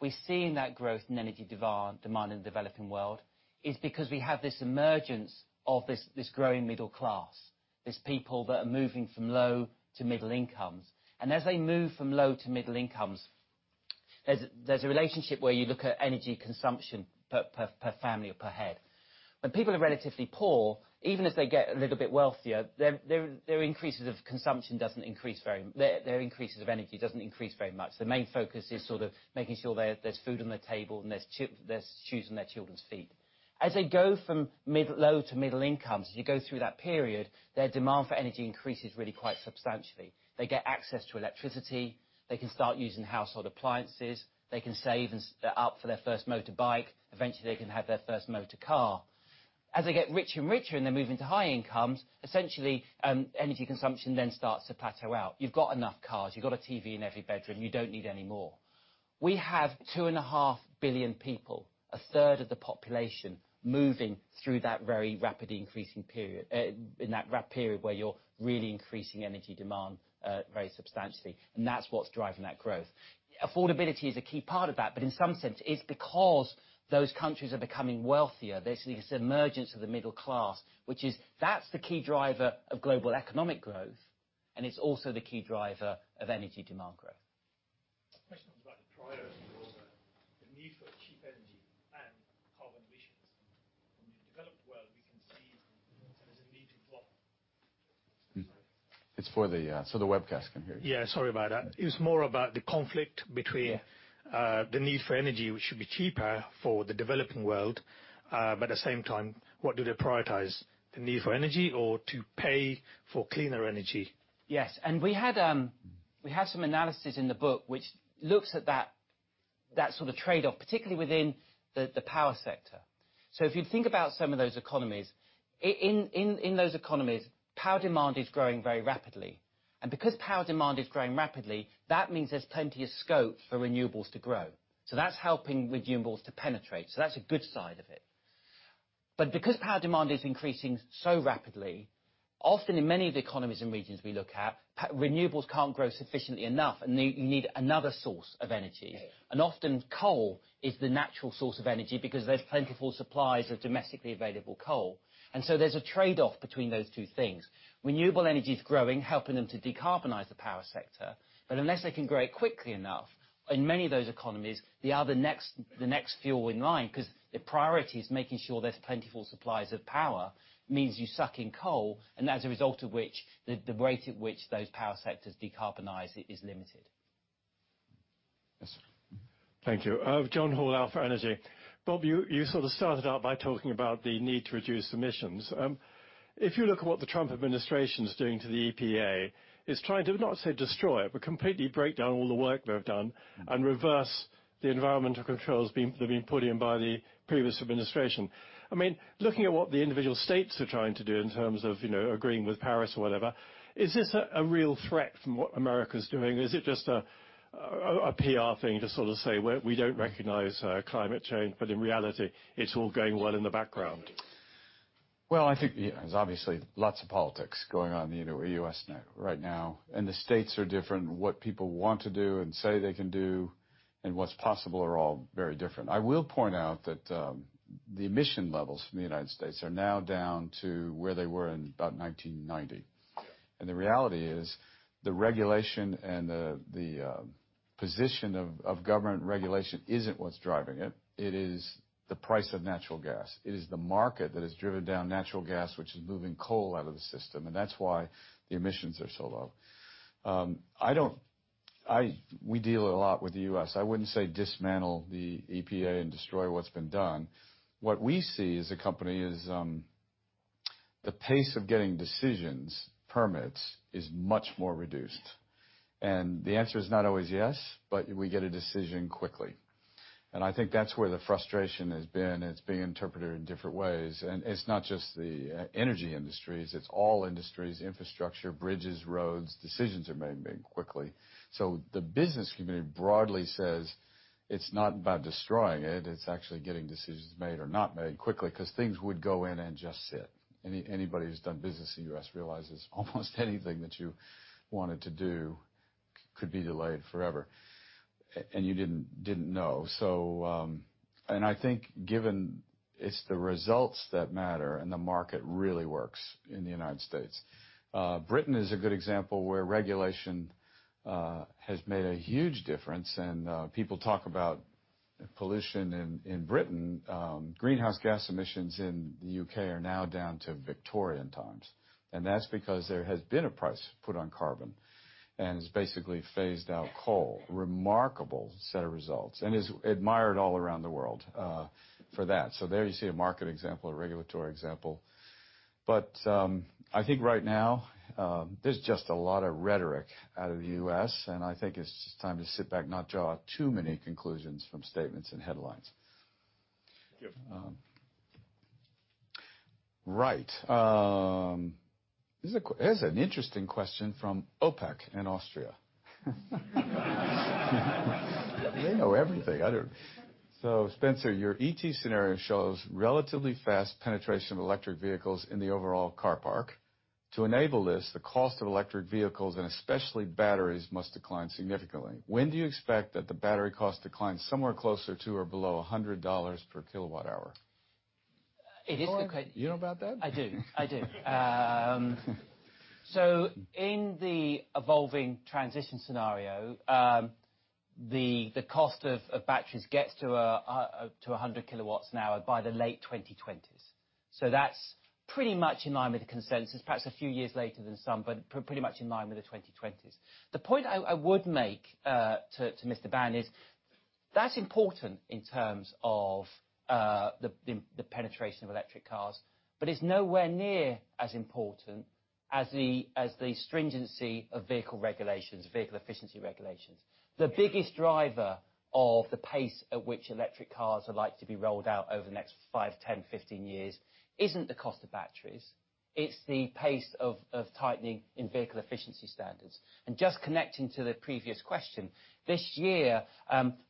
we're seeing that growth in energy demand in the developing world is because we have this emergence of this growing middle class, these people that are moving from low to middle incomes. As they move from low to middle incomes, there's a relationship where you look at energy consumption per family or per head. When people are relatively poor, even as they get a little bit wealthier, their increases of energy doesn't increase very much. The main focus is sort of making sure there's food on the table and there's shoes on their children's feet. As they go from low to middle incomes, as you go through that period, their demand for energy increases really quite substantially. They get access to electricity. They can start using household appliances. They can save up for their first motorbike. Eventually, they can have their first motor car. As they get richer and richer and they're moving to high incomes, essentially, energy consumption then starts to plateau out. You've got enough cars. You've got a TV in every bedroom. You don't need any more. We have 2.5 billion people, a third of the population, moving through that very rapid increasing period, in that period where you're really increasing energy demand very substantially, that's what's driving that growth. Affordability is a key part of that, in some sense, it's because those countries are becoming wealthier. There's the emergence of the middle class, which is, that's the key driver of global economic growth, it's also the key driver of energy demand growth. Question about the priority order, the need for cheap energy and carbon emissions from a development- The webcast can hear you. Yeah, sorry about that. It was more about the conflict between. Yeah the need for energy, which should be cheaper for the developing world. At the same time, what do they prioritize? The need for energy or to pay for cleaner energy? Yes. We have some analysis in the book which looks at that sort of trade-off, particularly within the power sector. If you think about some of those economies, in those economies, power demand is growing very rapidly. Because power demand is growing rapidly, that means there's plenty of scope for renewables to grow. That's helping renewables to penetrate. That's a good side of it. Because power demand is increasing so rapidly, often in many of the economies and regions we look at, renewables can't grow sufficiently enough, and you need another source of energy. Yeah. Often coal is the natural source of energy because there's plentiful supplies of domestically available coal. There's a trade-off between those two things. Renewable energy is growing, helping them to decarbonize the power sector. Unless they can grow it quickly enough, in many of those economies, the next fuel in line, because the priority is making sure there's plentiful supplies of power, means you suck in coal. As a result of which, the rate at which those power sectors decarbonize is limited. Yes. Thank you. John Hall, Alfa Energy. Bob, you sort of started out by talking about the need to reduce emissions. If you look at what the Trump administration is doing to the EPA, is trying to, not say destroy it, but completely break down all the work they've done. Reverse the environmental controls that have been put in by the previous administration. Looking at what the individual states are trying to do in terms of agreeing with Paris or whatever, is this a real threat from what America's doing, or is it just a PR thing to sort of say, "We don't recognize climate change, but in reality, it's all going well in the background"? Well, I think there's obviously lots of politics going on in the U.S. right now, and the states are different in what people want to do and say they can do and what's possible are all very different. I will point out that the emission levels from the United States are now down to where they were in about 1990. The reality is, the regulation and the position of government regulation isn't what's driving it. It is the price of natural gas. It is the market that has driven down natural gas, which is moving coal out of the system, and that's why the emissions are so low. We deal a lot with the U.S. I wouldn't say dismantle the EPA and destroy what's been done. What we see as a company is, the pace of getting decisions, permits, is much more reduced. The answer is not always yes, but we get a decision quickly. I think that's where the frustration has been. It's being interpreted in different ways, and it's not just the energy industries, it's all industries, infrastructure, bridges, roads, decisions are made quickly. The business community broadly says it's not about destroying it's actually getting decisions made or not made quickly because things would go in and just sit. Anybody who's done business in the U.S. realizes almost anything that you wanted to do could be delayed forever, and you didn't know. I think given it's the results that matter, and the market really works in the United States. Britain is a good example where regulation has made a huge difference, and people talk about pollution in Britain. Greenhouse gas emissions in the U.K. are now down to Victorian times, and that's because there has been a price put on carbon, and it's basically phased out coal. Remarkable set of results. Is admired all around the world for that. There you see a market example, a regulatory example. I think right now, there's just a lot of rhetoric out of the U.S., and I think it's just time to sit back, not draw too many conclusions from statements and headlines. Thank you. Right. Here's an interesting question from OPEC in Austria. They know everything. Spencer, your ET scenario shows relatively fast penetration of electric vehicles in the overall car park. To enable this, the cost of electric vehicles and especially batteries must decline significantly. When do you expect that the battery cost declines somewhere closer to or below GBP 100 per kWh? It is- Norbert, you know about that? I do. I do. In the Evolving Transition scenario, the cost of batteries gets to 100 kilowatts an hour by the late 2020s. That's pretty much in line with the consensus, perhaps a few years later than some, but pretty much in line with the 2020s. The point I would make to Mr. Bann is, that's important in terms of the penetration of electric cars, but it's nowhere near as important as the stringency of vehicle regulations, vehicle efficiency regulations. The biggest driver of the pace at which electric cars are likely to be rolled out over the next five, 10, 15 years isn't the cost of batteries. It's the pace of tightening in vehicle efficiency standards. Just connecting to the previous question, this year,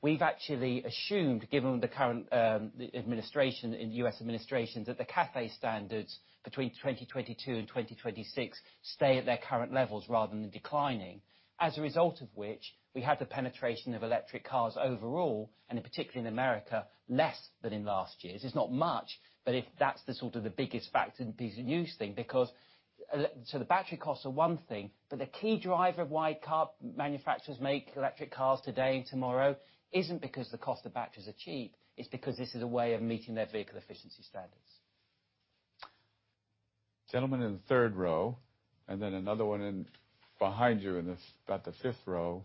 we've actually assumed, given the current administration in U.S. administrations, that the CAFE standards between 2022 and 2026 stay at their current levels rather than declining. As a result of which, we have the penetration of electric cars overall, and in particular in America, less than in last year's. It's not much, but that's the sort of the biggest factor and piece of news thing. The battery costs are one thing, but the key driver of why car manufacturers make electric cars today and tomorrow isn't because the cost of batteries are cheap. It's because this is a way of meeting their vehicle efficiency standards. Gentleman in the third row, and then another one in behind you in about the fifth row.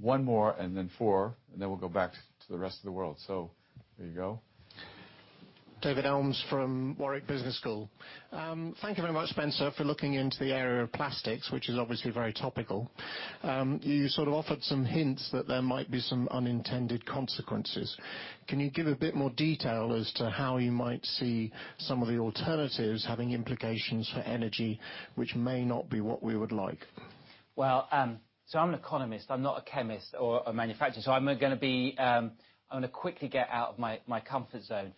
One more, and then four, and then we'll go back to the rest of the world. There you go. David Elmes from Warwick Business School. Thank you very much, Spencer, for looking into the area of plastics, which is obviously very topical. You sort of offered some hints that there might be some unintended consequences. Can you give a bit more detail as to how you might see some of the alternatives having implications for energy, which may not be what we would like? Well, I'm an economist. I'm not a chemist or a manufacturer, so I'm going to quickly get out of my comfort zone.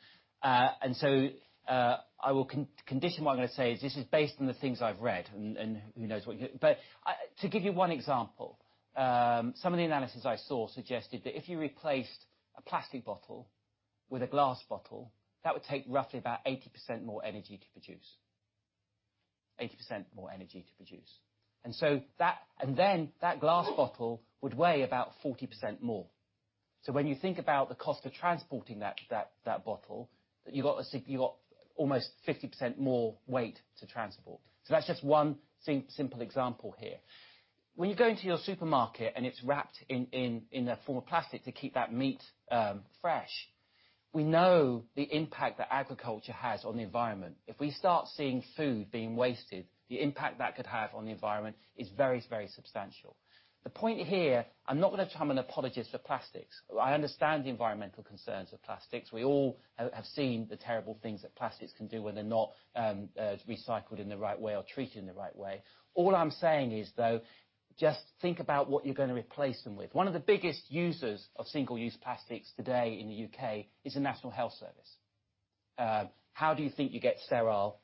I will condition what I'm going to say is this is based on the things I've read and who knows what. To give you one example, some of the analysis I saw suggested that if you replaced a plastic bottle with a glass bottle, that would take roughly about 80% more energy to produce. 80% more energy to produce. Then that glass bottle would weigh about 40% more. When you think about the cost of transporting that bottle, you've got almost 50% more weight to transport. That's just one simple example here. When you go into your supermarket and it's wrapped in a form of plastic to keep that meat fresh, we know the impact that agriculture has on the environment. If we start seeing food being wasted, the impact that could have on the environment is very, very substantial. The point here, I'm not going to try and be an apologist for plastics. I understand the environmental concerns of plastics. We all have seen the terrible things that plastics can do when they're not recycled in the right way or treated in the right way. All I'm saying is, though, just think about what you're going to replace them with. One of the biggest users of single-use plastics today in the U.K. is the National Health Service. How do you think you get sterile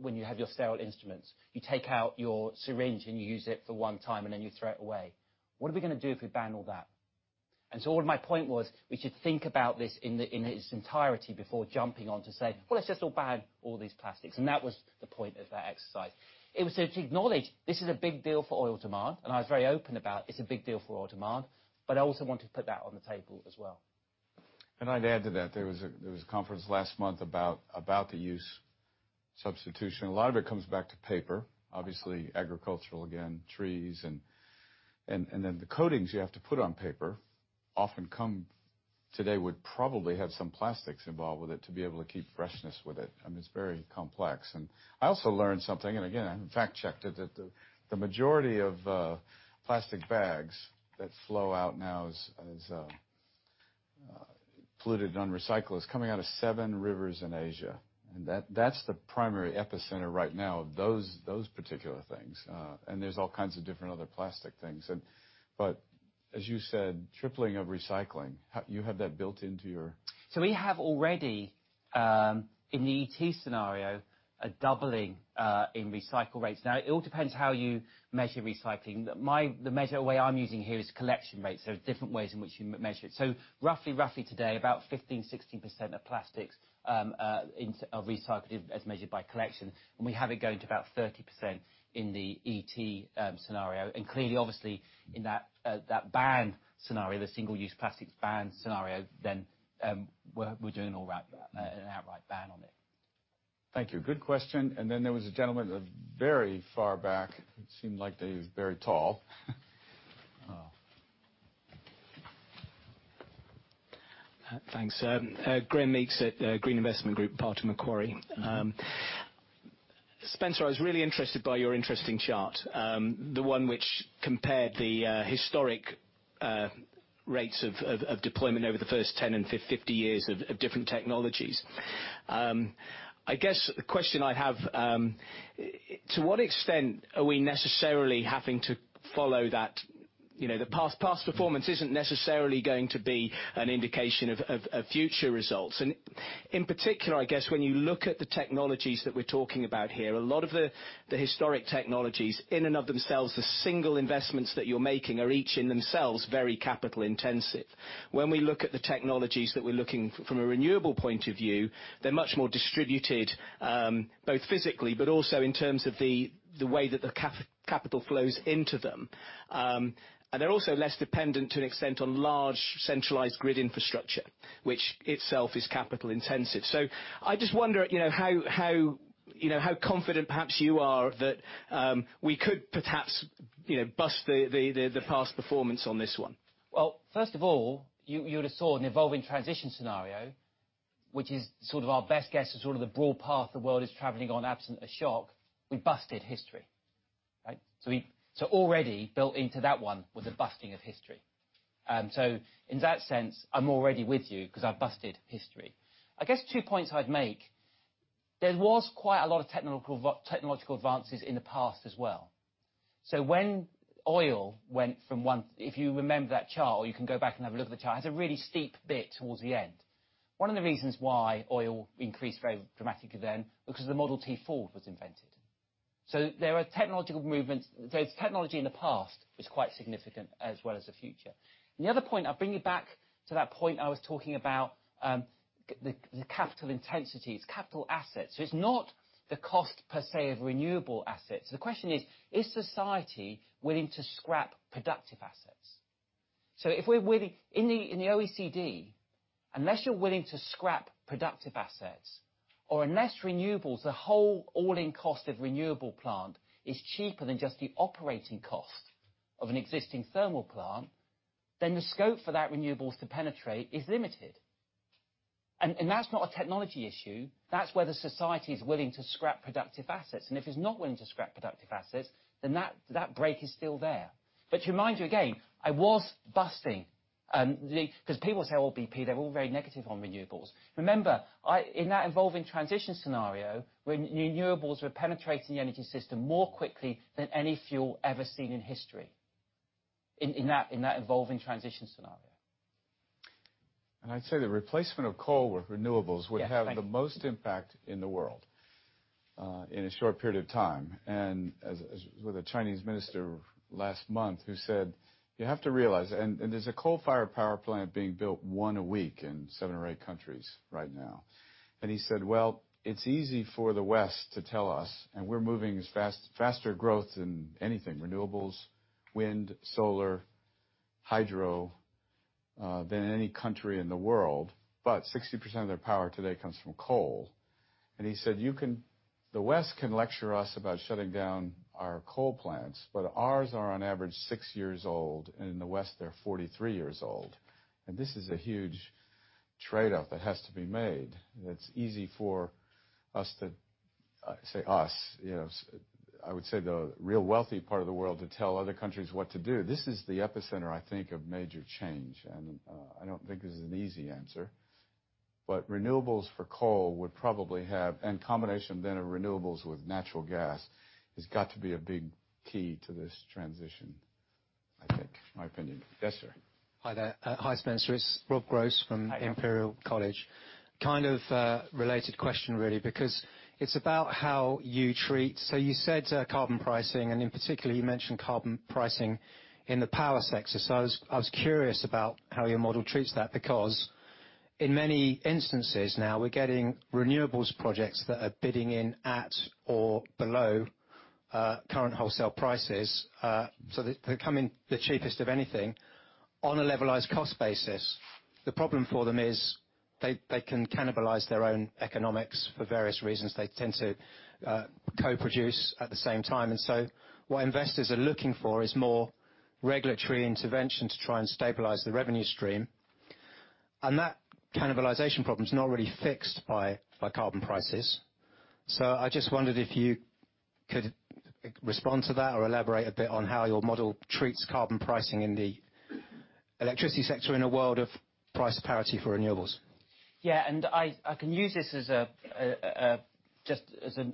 when you have your sterile instruments? You take out your syringe, and you use it for one time, and then you throw it away. What are we going to do if we ban all that? What my point was, we should think about this in its entirety before jumping on to say, "Well, let's just all ban all these plastics." That was the point of that exercise. It was to acknowledge this is a big deal for oil demand, and I was very open about it's a big deal for oil demand, but I also wanted to put that on the table as well. I'd add to that, there was a conference last month about the use substitution. A lot of it comes back to paper, obviously agricultural again, trees, and then the coatings you have to put on paper today would probably have some plastics involved with it to be able to keep freshness with it. It's very complex. I also learned something, again, I fact checked it, that the majority of plastic bags that flow out now as polluted non-recyclers coming out of seven rivers in Asia. That's the primary epicenter right now of those particular things. There's all kinds of different other plastic things. As you said, tripling of recycling, you have that built into your. We have already, in the ET scenario, a doubling in recycle rates. It all depends how you measure recycling, but the measure way I'm using here is collection rates. There are different ways in which you measure it. Roughly, today, about 15%-16% of plastics are recycled as measured by collection. We have it going to about 30% in the ET scenario. Clearly, obviously, in that ban scenario, the Single-use plastics ban scenario, we're doing an outright ban on it. Thank you. Good question. There was a gentleman very far back. It seemed like he was very tall. Thanks. Graham Meeks at Green Investment Group, part of Macquarie. Spencer, I was really interested by your interesting chart, the one which compared the historic rates of deployment over the first 10 and 50 years of different technologies. I guess the question I have, to what extent are we necessarily having to follow. Past performance isn't necessarily going to be an indication of future results. In particular, I guess, when you look at the technologies that we're talking about here, a lot of the historic technologies in and of themselves, the single investments that you're making are each in themselves very capital intensive. When we look at the technologies that we're looking from a renewable point of view, they're much more distributed, both physically, but also in terms of the way that the capital flows into them. They're also less dependent to an extent on large centralized grid infrastructure, which itself is capital intensive. I just wonder how confident perhaps you are that we could perhaps bust the past performance on this one. First of all, you would have saw an Evolving Transition scenario, which is sort of our best guess of sort of the broad path the world is traveling on absent a shock. We busted history. Right? Already built into that one was a busting of history. In that sense, I'm already with you because I've busted history. I guess two points I'd make. There was quite a lot of technological advances in the past as well. When oil went from If you remember that chart, or you can go back and have a look at the chart, it's a really steep bit towards the end. One of the reasons why oil increased very dramatically then, because the Model T Ford was invented. There are technological movements. Technology in the past was quite significant as well as the future. The other point, I'll bring you back to that point I was talking about, the capital intensity. It's capital assets. It's not the cost, per se, of renewable assets. The question is society willing to scrap productive assets? If we're in the OECD, unless you're willing to scrap productive assets, or unless renewables, the whole all-in cost of renewable plant is cheaper than just the operating cost of an existing thermal plant, then the scope for that renewable to penetrate is limited. That's not a technology issue. That's whether society is willing to scrap productive assets. If it's not willing to scrap productive assets, then that break is still there. To remind you again, I was busting, because people say, "Well, BP, they're all very negative on renewables." Remember, in that Evolving Transition scenario, renewables were penetrating the energy system more quickly than any fuel ever seen in history, in that Evolving Transition scenario. I'd say the replacement of coal with renewables Yeah. Thank you have the most impact in the world, in a short period of time. I was with a Chinese minister last month who said, "You have to realize" There's a coal-fired power plant being built, one a week, in seven or eight countries right now. He said, "Well, it's easy for the West to tell us, and we're moving faster growth than anything, renewables, wind, solar, hydro, than any country in the world, but 60% of their power today comes from coal." He said, "The West can lecture us about shutting down our coal plants, but ours are on average six years old, and in the West they're 43 years old." This is a huge trade-off that has to be made. It's easy for us to say, us, I would say the real wealthy part of the world, to tell other countries what to do. This is the epicenter, I think, of major change. I don't think this is an easy answer, but renewables for coal would probably have, combination then of renewables with natural gas, has got to be a big key to this transition, I think. My opinion. Yes, sir. Hi there. Hi, Spencer. It's Rob Gross from- Hi, Rob Imperial College. Kind of a related question, really, because it's about how you treat So you said carbon pricing, and in particular, you mentioned carbon pricing in the power sector. I was curious about how your model treats that, because in many instances now, we're getting renewables projects that are bidding in at or below current wholesale prices. They're coming the cheapest of anything on a levelized cost basis. The problem for them is they can cannibalize their own economics for various reasons. They tend to co-produce at the same time. What investors are looking for is more regulatory intervention to try and stabilize the revenue stream. That cannibalization problem is not really fixed by carbon prices. I just wondered if you could respond to that or elaborate a bit on how your model treats carbon pricing in the electricity sector in a world of price parity for renewables. Yeah. I can use this as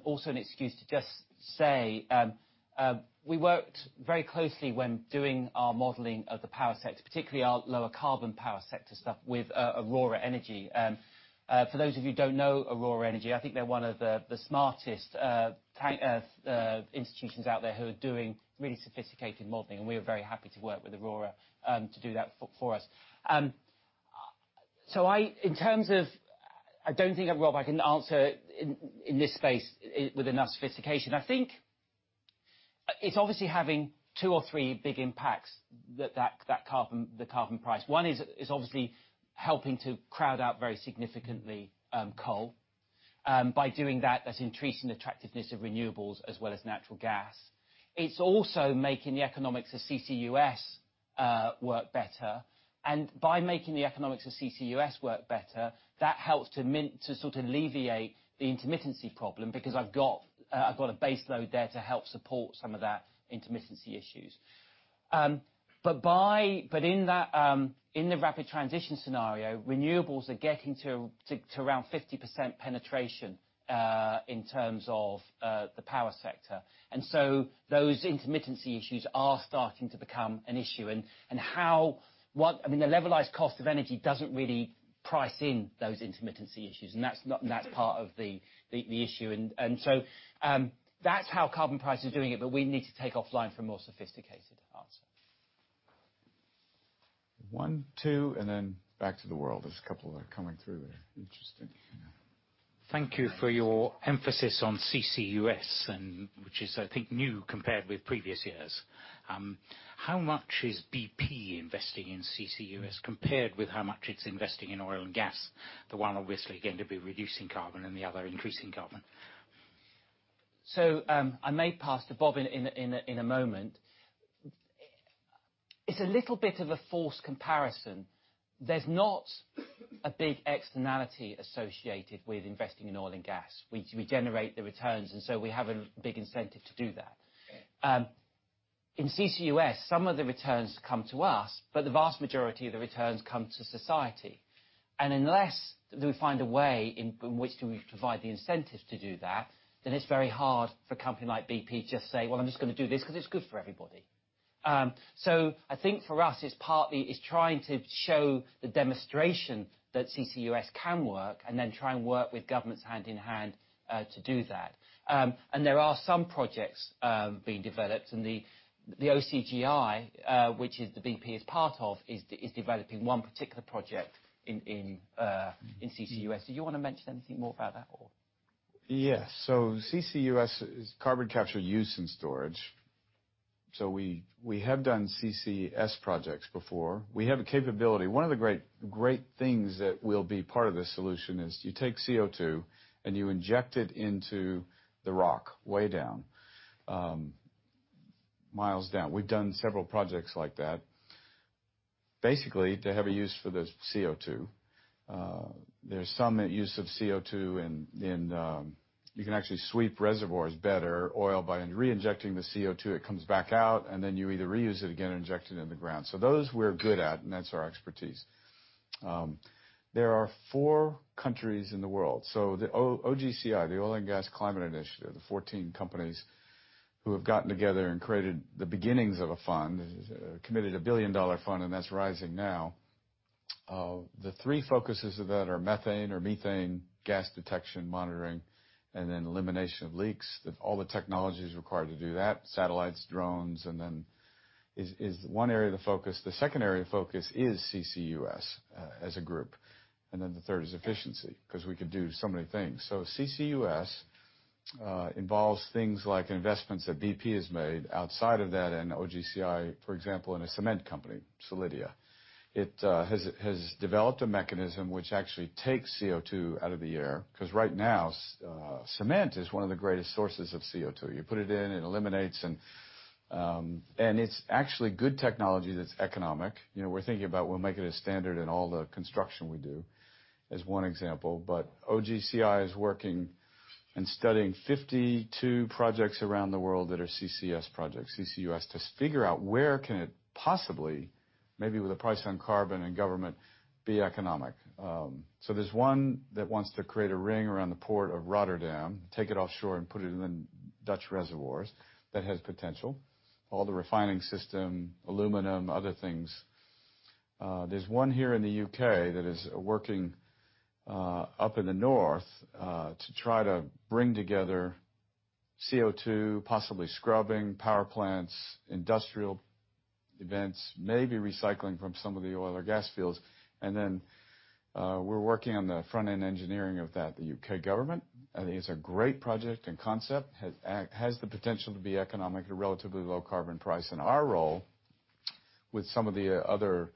also an excuse to just say, we worked very closely when doing our modeling of the power sector, particularly our lower carbon power sector stuff with Aurora Energy. For those of you who don't know Aurora Energy, I think they're one of the smartest institutions out there who are doing really sophisticated modeling, and we are very happy to work with Aurora, to do that for us. In terms of, I don't think, Rob, I can answer in this space with enough sophistication. I think it's obviously having two or three big impacts, the carbon price. One is obviously helping to crowd out very significantly coal. By doing that's increasing the attractiveness of renewables as well as natural gas. It's also making the economics of CCUS work better. By making the economics of CCUS work better, that helps to sort of alleviate the intermittency problem, because I've got a base load there to help support some of that intermittency issues. In the Rapid Transition scenario, renewables are getting to around 50% penetration, in terms of the power sector. Those intermittency issues are starting to become an issue. I mean, the levelized cost of energy doesn't really price in those intermittency issues, and that's part of the issue. That's how carbon price is doing it, but we need to take offline for a more sophisticated answer. One, two, then back to the world. There's a couple that are coming through there. Interesting. Yeah. Thank you for your emphasis on CCUS, which is, I think, new compared with previous years. How much is BP investing in CCUS compared with how much it's investing in oil and gas? The one obviously going to be reducing carbon and the other increasing carbon. I may pass to Bob in a moment. It's a little bit of a false comparison. There's not a big externality associated with investing in oil and gas. We generate the returns, we have a big incentive to do that. In CCUS, some of the returns come to us, but the vast majority of the returns come to society. Unless we find a way in which we provide the incentive to do that, then it's very hard for a company like BP to just say, "Well, I'm just going to do this because it's good for everybody." I think for us, it's partly is trying to show the demonstration that CCUS can work, then try and work with governments hand in hand, to do that. There are some projects being developed, the OGCI, which BP is part of, is developing one particular project in CCUS. Do you want to mention anything more about that or? Yes. CCUS is carbon capture use and storage. We have done CCS projects before. We have a capability. One of the great things that will be part of the solution is you take CO2 and you inject it into the rock, way down, miles down. We've done several projects like that, basically to have a use for the CO2. There's some use of CO2 in You can actually sweep reservoirs better, oil, by reinjecting the CO2. It comes back out, you either reuse it again or inject it in the ground. Those we're good at, that's our expertise. There are four countries in the world. The OGCI, the Oil and Gas Climate Initiative, the 14 companies who have gotten together and created the beginnings of a fund, committed a billion-dollar fund, that's rising now. The three focuses of that are methane or methane gas detection monitoring, elimination of leaks. All the technologies required to do that, satellites, drones, is one area of the focus. The second area of focus is CCUS, as a group. The third is efficiency, because we can do so many things. CCUS involves things like investments that BP has made outside of that and OGCI, for example, in a cement company, Solidia. It has developed a mechanism which actually takes CO2 out of the air. Because right now, cement is one of the greatest sources of CO2. You put it in, it eliminates, it's actually good technology that's economic. We're thinking about we'll make it a standard in all the construction we do, as one example. OGCI is working and studying 52 projects around the world that are CCS projects, CCUS, to figure out where can it possibly, maybe with a price on carbon and government, be economic. There's one that wants to create a ring around the port of Rotterdam, take it offshore, and put it in the Dutch reservoirs. That has potential. All the refining system, aluminum, other things. There's one here in the U.K. that is working up in the north, to try to bring together CO2, possibly scrubbing power plants, industrial events, maybe recycling from some of the oil or gas fields. We're working on the front-end engineering of that, the U.K. government. I think it's a great project and concept. It has the potential to be economic at a relatively low carbon price. Our role with some of the other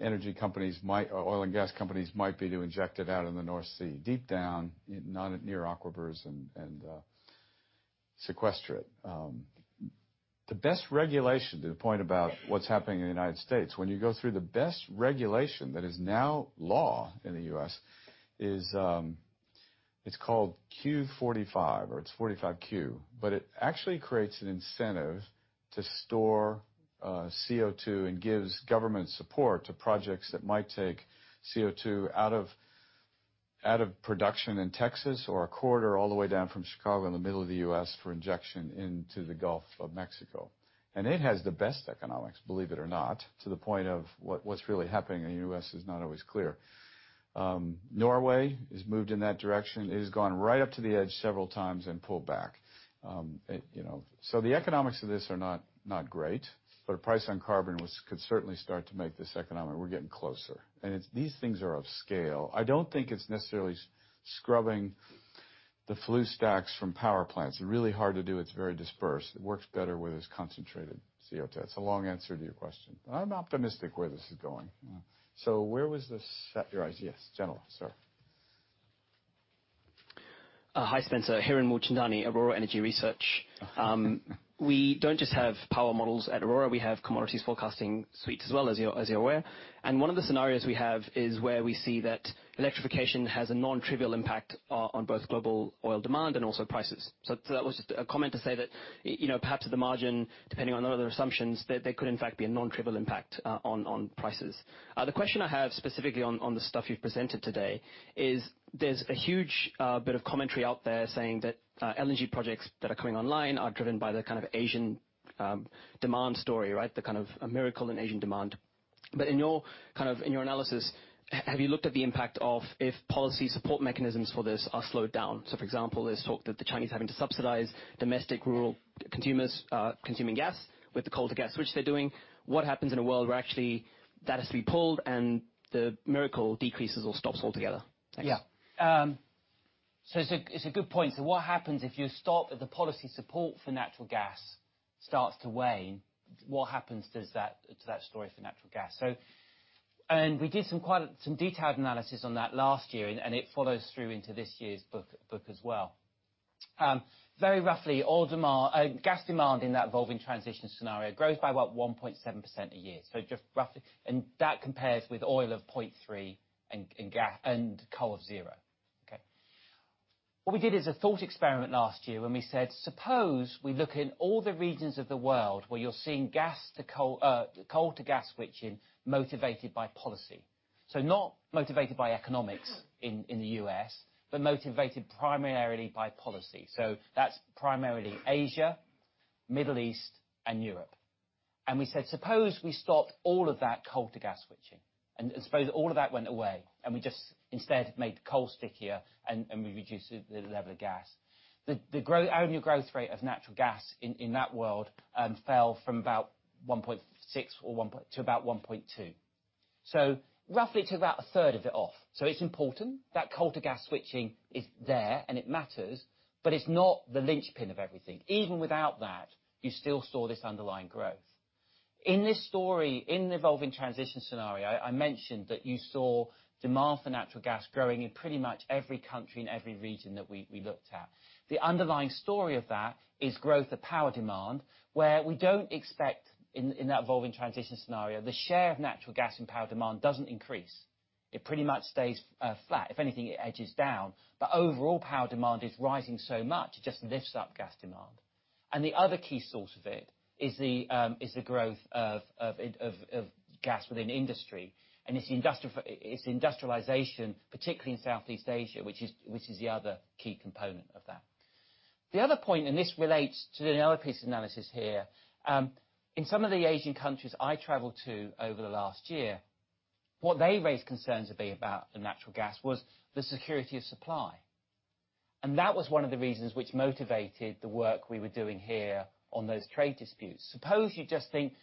energy companies, Oil and gas companies might be to inject it out in the North Sea, deep down, not near aquifers, and sequester it. The best regulation, to the point about what's happening in the United States, when you go through the best regulation that is now law in the U.S., is, it's called 45Q. It actually creates an incentive to store CO2 and gives government support to projects that might take CO2 out of production in Texas or a corridor all the way down from Chicago in the middle of the U.S. for injection into the Gulf of Mexico. It has the best economics, believe it or not, to the point of what's really happening in the U.S. is not always clear. Norway has moved in that direction. It has gone right up to the edge several times and pulled back. The economics of this are not great, but a price on carbon could certainly start to make this economic. We're getting closer. These things are of scale. I don't think it's necessarily scrubbing the flue stacks from power plants. Really hard to do. It's very dispersed. It works better where there's concentrated CO2. It's a long answer to your question. I'm optimistic where this is going. Where was this? You raised your hand. Yes, gentleman, sir. Hi, Spencer. Hiren Mulchandani, Aurora Energy Research. We don't just have power models at Aurora. We have commodities forecasting suites as well, as you're aware. One of the scenarios we have is where we see that electrification has a nontrivial impact on both global oil demand and also prices. That was just a comment to say that, perhaps at the margin, depending on other assumptions, that there could in fact be a nontrivial impact on prices. The question I have specifically on the stuff you've presented today is there's a huge bit of commentary out there saying that LNG projects that are coming online are driven by the kind of Asian demand story, right? The kind of a miracle in Asian demand. In your analysis, have you looked at the impact of if policy support mechanisms for this are slowed down? For example, there's talk that the Chinese are having to subsidize domestic rural consumers consuming gas with the coal to gas switch they are doing. What happens in a world where actually that has to be pulled and the momentum decreases or stops altogether? Thanks. It's a good point. What happens if you stop the policy support for natural gas starts to wane? What happens to that story for natural gas? We did some quite detailed analysis on that last year, and it follows through into this year's book as well. Very roughly, gas demand in that Evolving Transition scenario grows by about 1.7% a year. Just roughly. That compares with oil of 0.3 and coal of zero. We did a thought experiment last year, and we said, suppose we look in all the regions of the world where you are seeing coal to gas switching motivated by policy. Not motivated by economics in the U.S., but motivated primarily by policy. That's primarily Asia, Middle East, and Europe. We said, suppose we stopped all of that coal to gas switching, and suppose all of that went away, and we just instead made coal stickier and we reduced the level of gas. The annual growth rate of natural gas in that world fell from about 1.6 to about 1.2. Roughly took about a third of it off. It's important that coal to gas switching is there, and it matters, but it's not the linchpin of everything. Even without that, you still saw this underlying growth. In this story, in the Evolving Transition scenario, I mentioned that you saw demand for natural gas growing in pretty much every country and every region that we looked at. The underlying story of that is growth of power demand, where we don't expect in that Evolving Transition scenario, the share of natural gas and power demand doesn't increase. It pretty much stays flat. If anything, it edges down. Overall power demand is rising so much, it just lifts up gas demand. The other key source of it is the growth of gas within industry and its industrialization, particularly in Southeast Asia, which is the other key component of that. The other point, and this relates to another piece of analysis here, in some of the Asian countries I traveled to over the last year, what they raised concerns a bit about the natural gas was the security of supply. That was one of the reasons which motivated the work we were doing here on those trade disputes. Suppose you just think,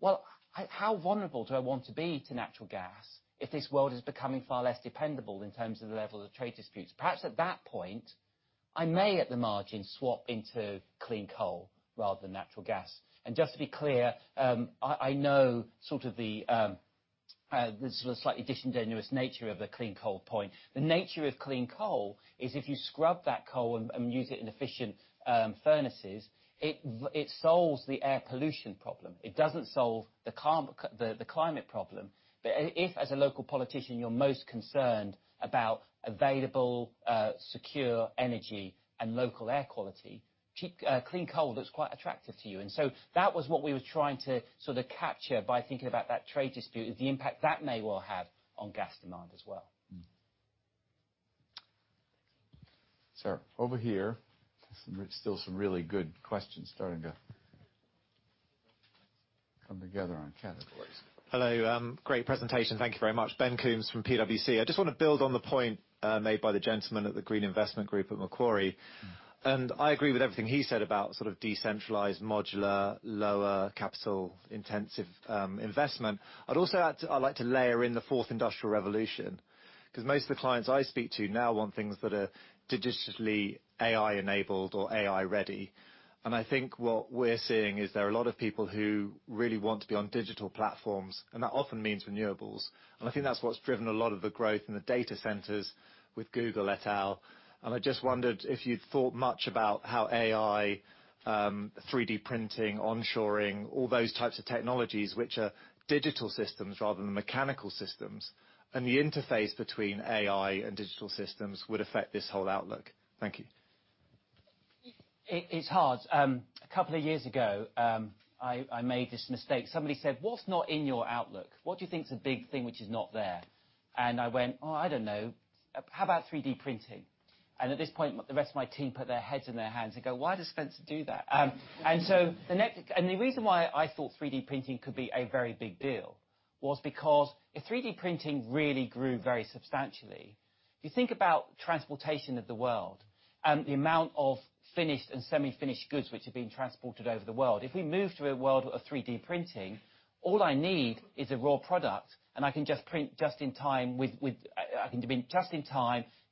"Well, how vulnerable do I want to be to natural gas if this world is becoming far less dependable in terms of the level of trade disputes? Perhaps at that point, I may, at the margin, swap into clean coal rather than natural gas." Just to be clear, I know the slightly disingenuous nature of the clean coal point. The nature of clean coal is if you scrub that coal and use it in efficient furnaces, it solves the air pollution problem. It doesn't solve the climate problem. If, as a local politician, you're most concerned about available, secure energy and local air quality, clean coal looks quite attractive to you. So that was what we were trying to sort of capture by thinking about that trade dispute, is the impact that may well have on gas demand as well. Sir, over here. Still some really good questions starting to come together on categories. Hello. Great presentation. Thank you very much. Ben Coombes from PwC. I just want to build on the point made by the gentleman at the Green Investment Group at Macquarie. I agree with everything he said about sort of decentralized, modular, lower capital intensive investment. I'd also like to layer in the fourth industrial revolution, because most of the clients I speak to now want things that are digitally AI enabled or AI ready. I think what we're seeing is there are a lot of people who really want to be on digital platforms, and that often means renewables. I think that's what's driven a lot of the growth in the data centers with Google et al. I just wondered if you'd thought much about how AI, 3D printing, onshoring, all those types of technologies, which are digital systems rather than mechanical systems, and the interface between AI and digital systems would affect this whole outlook. Thank you. It's hard. A couple of years ago, I made this mistake. Somebody said, "What's not in your outlook? What do you think is a big thing which is not there?" I went, "Oh, I don't know. How about 3D printing?" At this point, the rest of my team put their heads in their hands and go, "Why does Spencer do that?" The reason why I thought 3D printing could be a very big deal was because if 3D printing really grew very substantially, if you think about transportation of the world and the amount of finished and semi-finished goods which are being transported over the world, if we move to a world of 3D printing, all I need is a raw product and I can just print just in time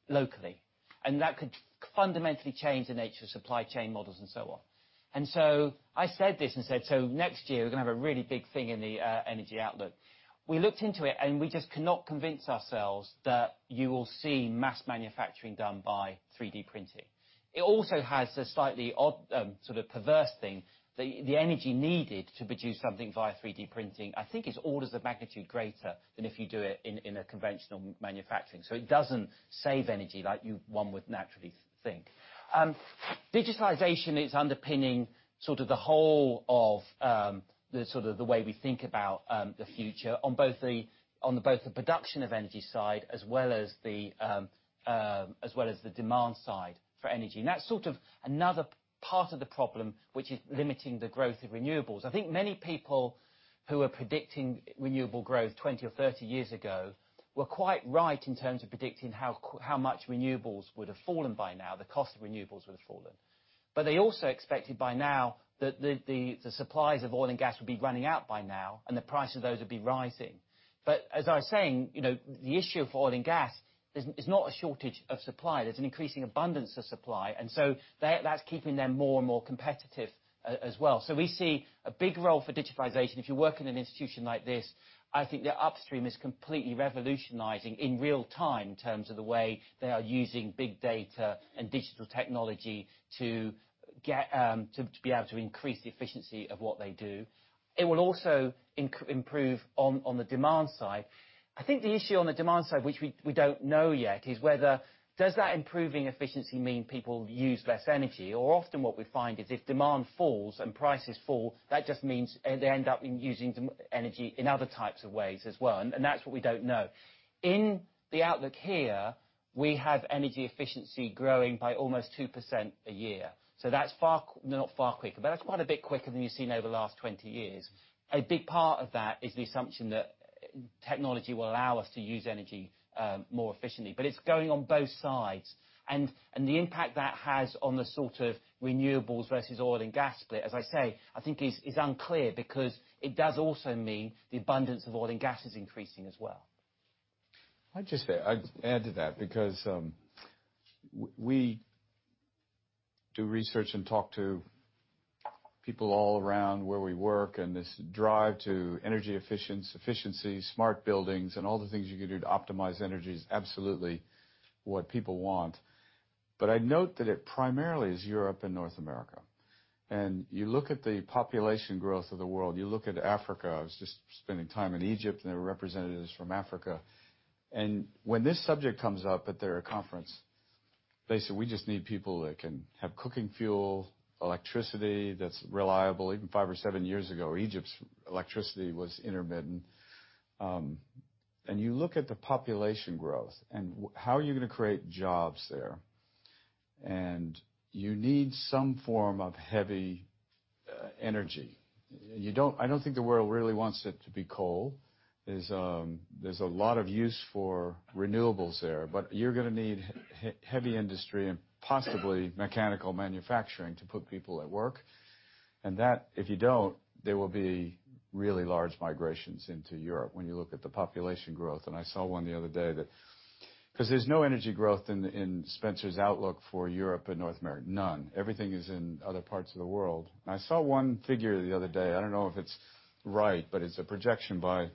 locally. That could fundamentally change the nature of supply chain models and so on. I said this and said, "Next year we're going to have a really big thing in the Energy Outlook." We looked into it, we just cannot convince ourselves that you will see mass manufacturing done by 3D printing. It also has a slightly odd sort of perverse thing. The energy needed to produce something via 3D printing, I think is orders of magnitude greater than if you do it in a conventional manufacturing. It doesn't save energy like one would naturally think. Digitalization is underpinning sort of the whole of the way we think about the future on both the production of energy side as well as the demand side for energy. That's sort of another part of the problem which is limiting the growth of renewables. I think many people who are predicting renewable growth 20 or 30 years ago were quite right in terms of predicting how much renewables would have fallen by now, the cost of renewables would have fallen. They also expected by now that the supplies of oil and gas would be running out by now and the price of those would be rising. As I was saying, the issue of oil and gas is not a shortage of supply. There's an increasing abundance of supply, that's keeping them more and more competitive as well. We see a big role for digitalization. If you work in an institution like this, I think the upstream is completely revolutionizing in real time in terms of the way they are using big data and digital technology to be able to increase the efficiency of what they do. It will also improve on the demand side. I think the issue on the demand side, which we don't know yet, is whether does that improving efficiency mean people use less energy? Often what we find is if demand falls and prices fall, that just means they end up using energy in other types of ways as well. That's what we don't know. In the outlook here, we have energy efficiency growing by almost 2% a year. That's quite a bit quicker than you've seen over the last 20 years. A big part of that is the assumption that technology will allow us to use energy more efficiently. It's going on both sides, and the impact that has on the sort of renewables versus oil and gas split, as I say, I think is unclear because it does also mean the abundance of oil and gas is increasing as well. I'd just add to that because we do research and talk to people all around where we work, this drive to energy efficiency, smart buildings, and all the things you can do to optimize energy is absolutely what people want. I'd note that it primarily is Europe and North America. You look at the population growth of the world, you look at Africa, I was just spending time in Egypt and there were representatives from Africa. When this subject comes up at their conference, they say, "We just need people that can have cooking fuel, electricity that's reliable." Even five or seven years ago, Egypt's electricity was intermittent. You look at the population growth and how are you going to create jobs there? You need some form of heavy energy. I don't think the world really wants it to be coal. There's a lot of use for renewables there. You're going to need heavy industry and possibly mechanical manufacturing to put people at work. If you don't, there will be really large migrations into Europe when you look at the population growth. I saw one the other day. Because there's no energy growth in Spencer's outlook for Europe and North America. None. Everything is in other parts of the world. I saw one figure the other day, I don't know if it's right, but it's a projection by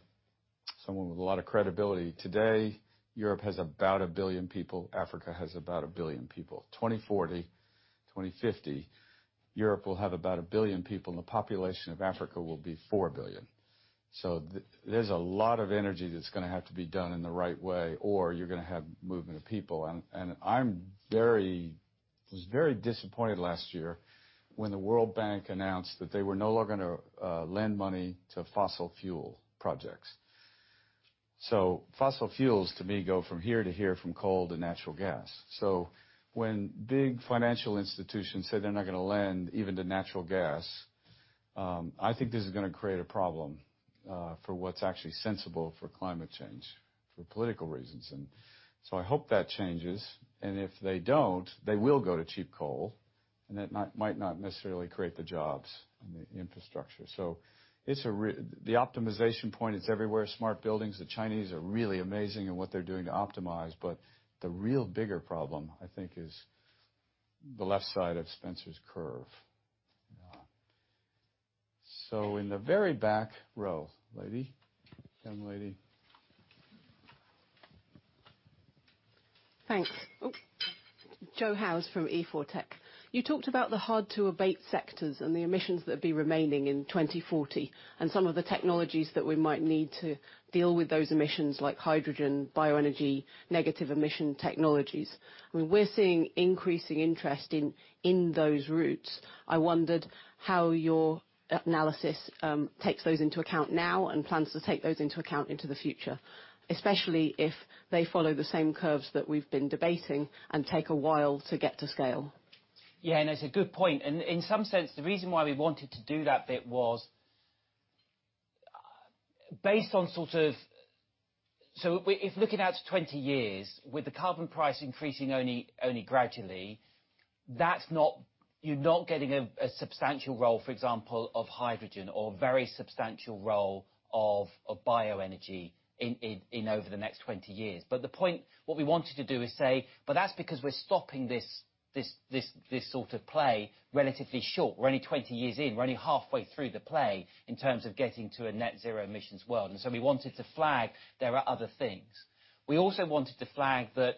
someone with a lot of credibility. Today, Europe has about 1 billion people, Africa has about 1 billion people. 2040, 2050, Europe will have about 1 billion people, and the population of Africa will be 4 billion. There's a lot of energy that's going to have to be done in the right way, or you're going to have movement of people. I was very disappointed last year when the World Bank announced that they were no longer going to lend money to fossil fuel projects. Fossil fuels, to me, go from here to here, from coal to natural gas. When big financial institutions say they're not going to lend even to natural gas, I think this is going to create a problem, for what's actually sensible for climate change for political reasons. I hope that changes. If they don't, they will go to cheap coal, and that might not necessarily create the jobs and the infrastructure. The optimization point, it's everywhere, smart buildings. The Chinese are really amazing in what they're doing to optimize. The real bigger problem, I think, is the left side of Spencer's curve. In the very back row. Lady, young lady. Thanks. Jo Howes from E4tech. You talked about the hard-to-abate sectors and the emissions that'll be remaining in 2040, and some of the technologies that we might need to deal with those emissions like hydrogen, bioenergy, negative emissions technologies. We're seeing increasing interest in those routes. I wondered how your analysis takes those into account now and plans to take those into account into the future, especially if they follow the same curves that we've been debating and take a while to get to scale. It's a good point. In some sense, the reason why we wanted to do that bit was based on looking out to 20 years, with the carbon price increasing only gradually, you're not getting a substantial role, for example, of hydrogen or very substantial role of bioenergy in over the next 20 years. The point, what we wanted to do is say, but that's because we're stopping this sort of play relatively short. We're only 20 years in, we're only halfway through the play in terms of getting to a net zero emissions world. We wanted to flag there are other things. We also wanted to flag that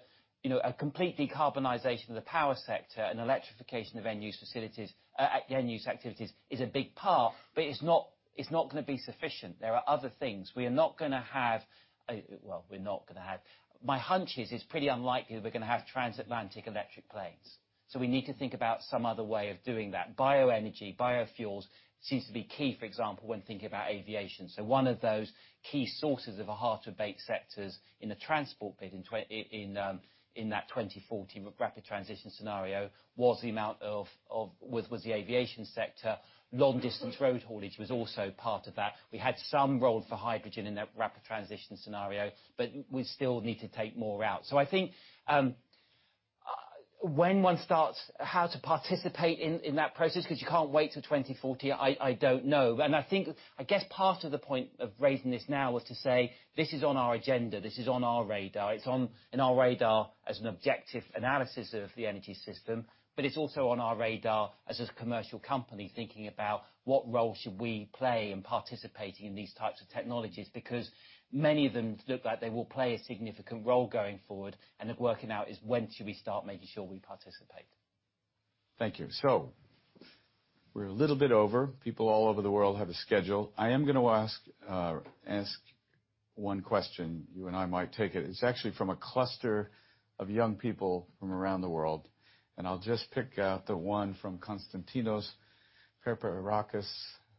a complete decarbonization of the power sector and electrification of end use activities is a big part, but it's not going to be sufficient. There are other things. We're not going to have. My hunch is it's pretty unlikely that we're going to have transatlantic electric planes. We need to think about some other way of doing that. Bioenergy, biofuels seems to be key, for example, when thinking about aviation. One of those key sources of a hard-to-abate sectors in the transport bit in that 2040 Rapid Transition scenario was the aviation sector. Long distance road haulage was also part of that. We had some role for hydrogen in that Rapid Transition scenario, but we still need to take more out. I think, when one starts, how to participate in that process, because you can't wait till 2040, I don't know. I think, I guess part of the point of raising this now was to say, this is on our agenda. This is on our radar. It's on our radar as an objective analysis of the energy system, it's also on our radar as a commercial company thinking about what role should we play in participating in these types of technologies. Many of them look like they will play a significant role going forward, and then working out is when should we start making sure we participate. Thank you. We're a little bit over. People all over the world have a schedule. I am going to ask one question. You and I might take it. It's actually from a cluster of young people from around the world, I'll just pick out the one from Konstantinos Paparakis,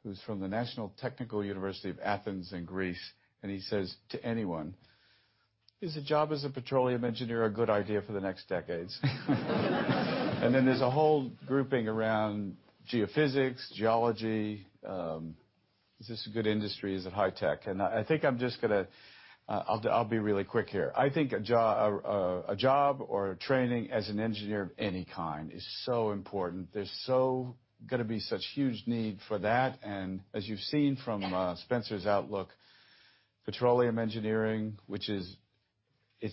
who's from the National Technical University of Athens in Greece, and he says to anyone, "Is a job as a petroleum engineer a good idea for the next decades?" There's a whole grouping around geophysics, geology. Is this a good industry? Is it high tech? I think I'm just going to be really quick here. I think a job or training as an engineer of any kind is so important. There's so going to be such huge need for that. As you've seen from Spencer's Outlook, petroleum engineering, which is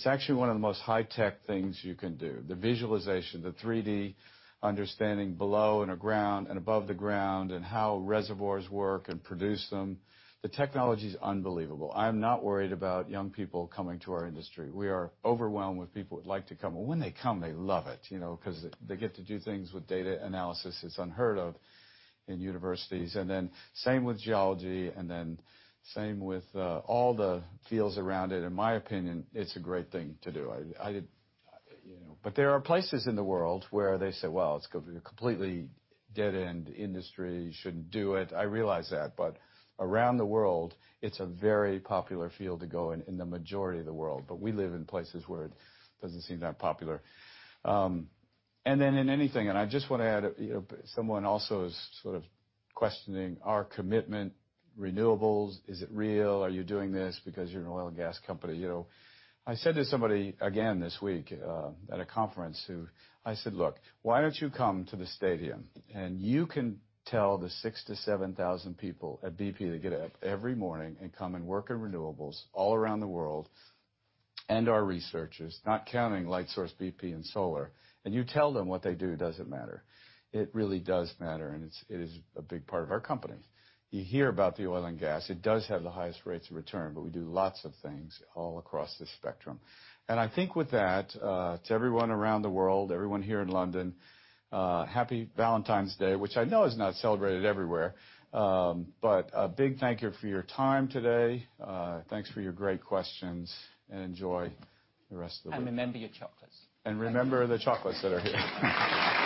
actually one of the most high-tech things you can do. The visualization, the 3D understanding below underground and above the ground, and how reservoirs work and produce them. The technology's unbelievable. I'm not worried about young people coming to our industry. We are overwhelmed with people who would like to come. When they come, they love it, because they get to do things with data analysis that's unheard of in universities. Same with geology, same with all the fields around it. In my opinion, it's a great thing to do. There are places in the world where they say, "It's a completely dead-end industry. You shouldn't do it." I realize that, but around the world, it's a very popular field to go in the majority of the world. We live in places where it doesn't seem that popular. In anything, I just want to add, someone also is sort of questioning our commitment, renewables. Is it real? Are you doing this because you're an oil and gas company? I said to somebody again this week, at a conference who I said, "Why don't you come to the stadium, and you can tell the 6,000-7,000 people at BP that get up every morning and come and work in renewables all around the world, and our researchers, not counting Lightsource BP and solar, and you tell them what they do doesn't matter." It really does matter, it is a big part of our company. You hear about the oil and gas. It does have the highest rates of return, we do lots of things all across this spectrum. I think with that, to everyone around the world, everyone here in London, Happy Valentine's Day, which I know is not celebrated everywhere. A big thank you for your time today. Thanks for your great questions, and enjoy the rest of the week. Remember your chocolates. Remember the chocolates that are here.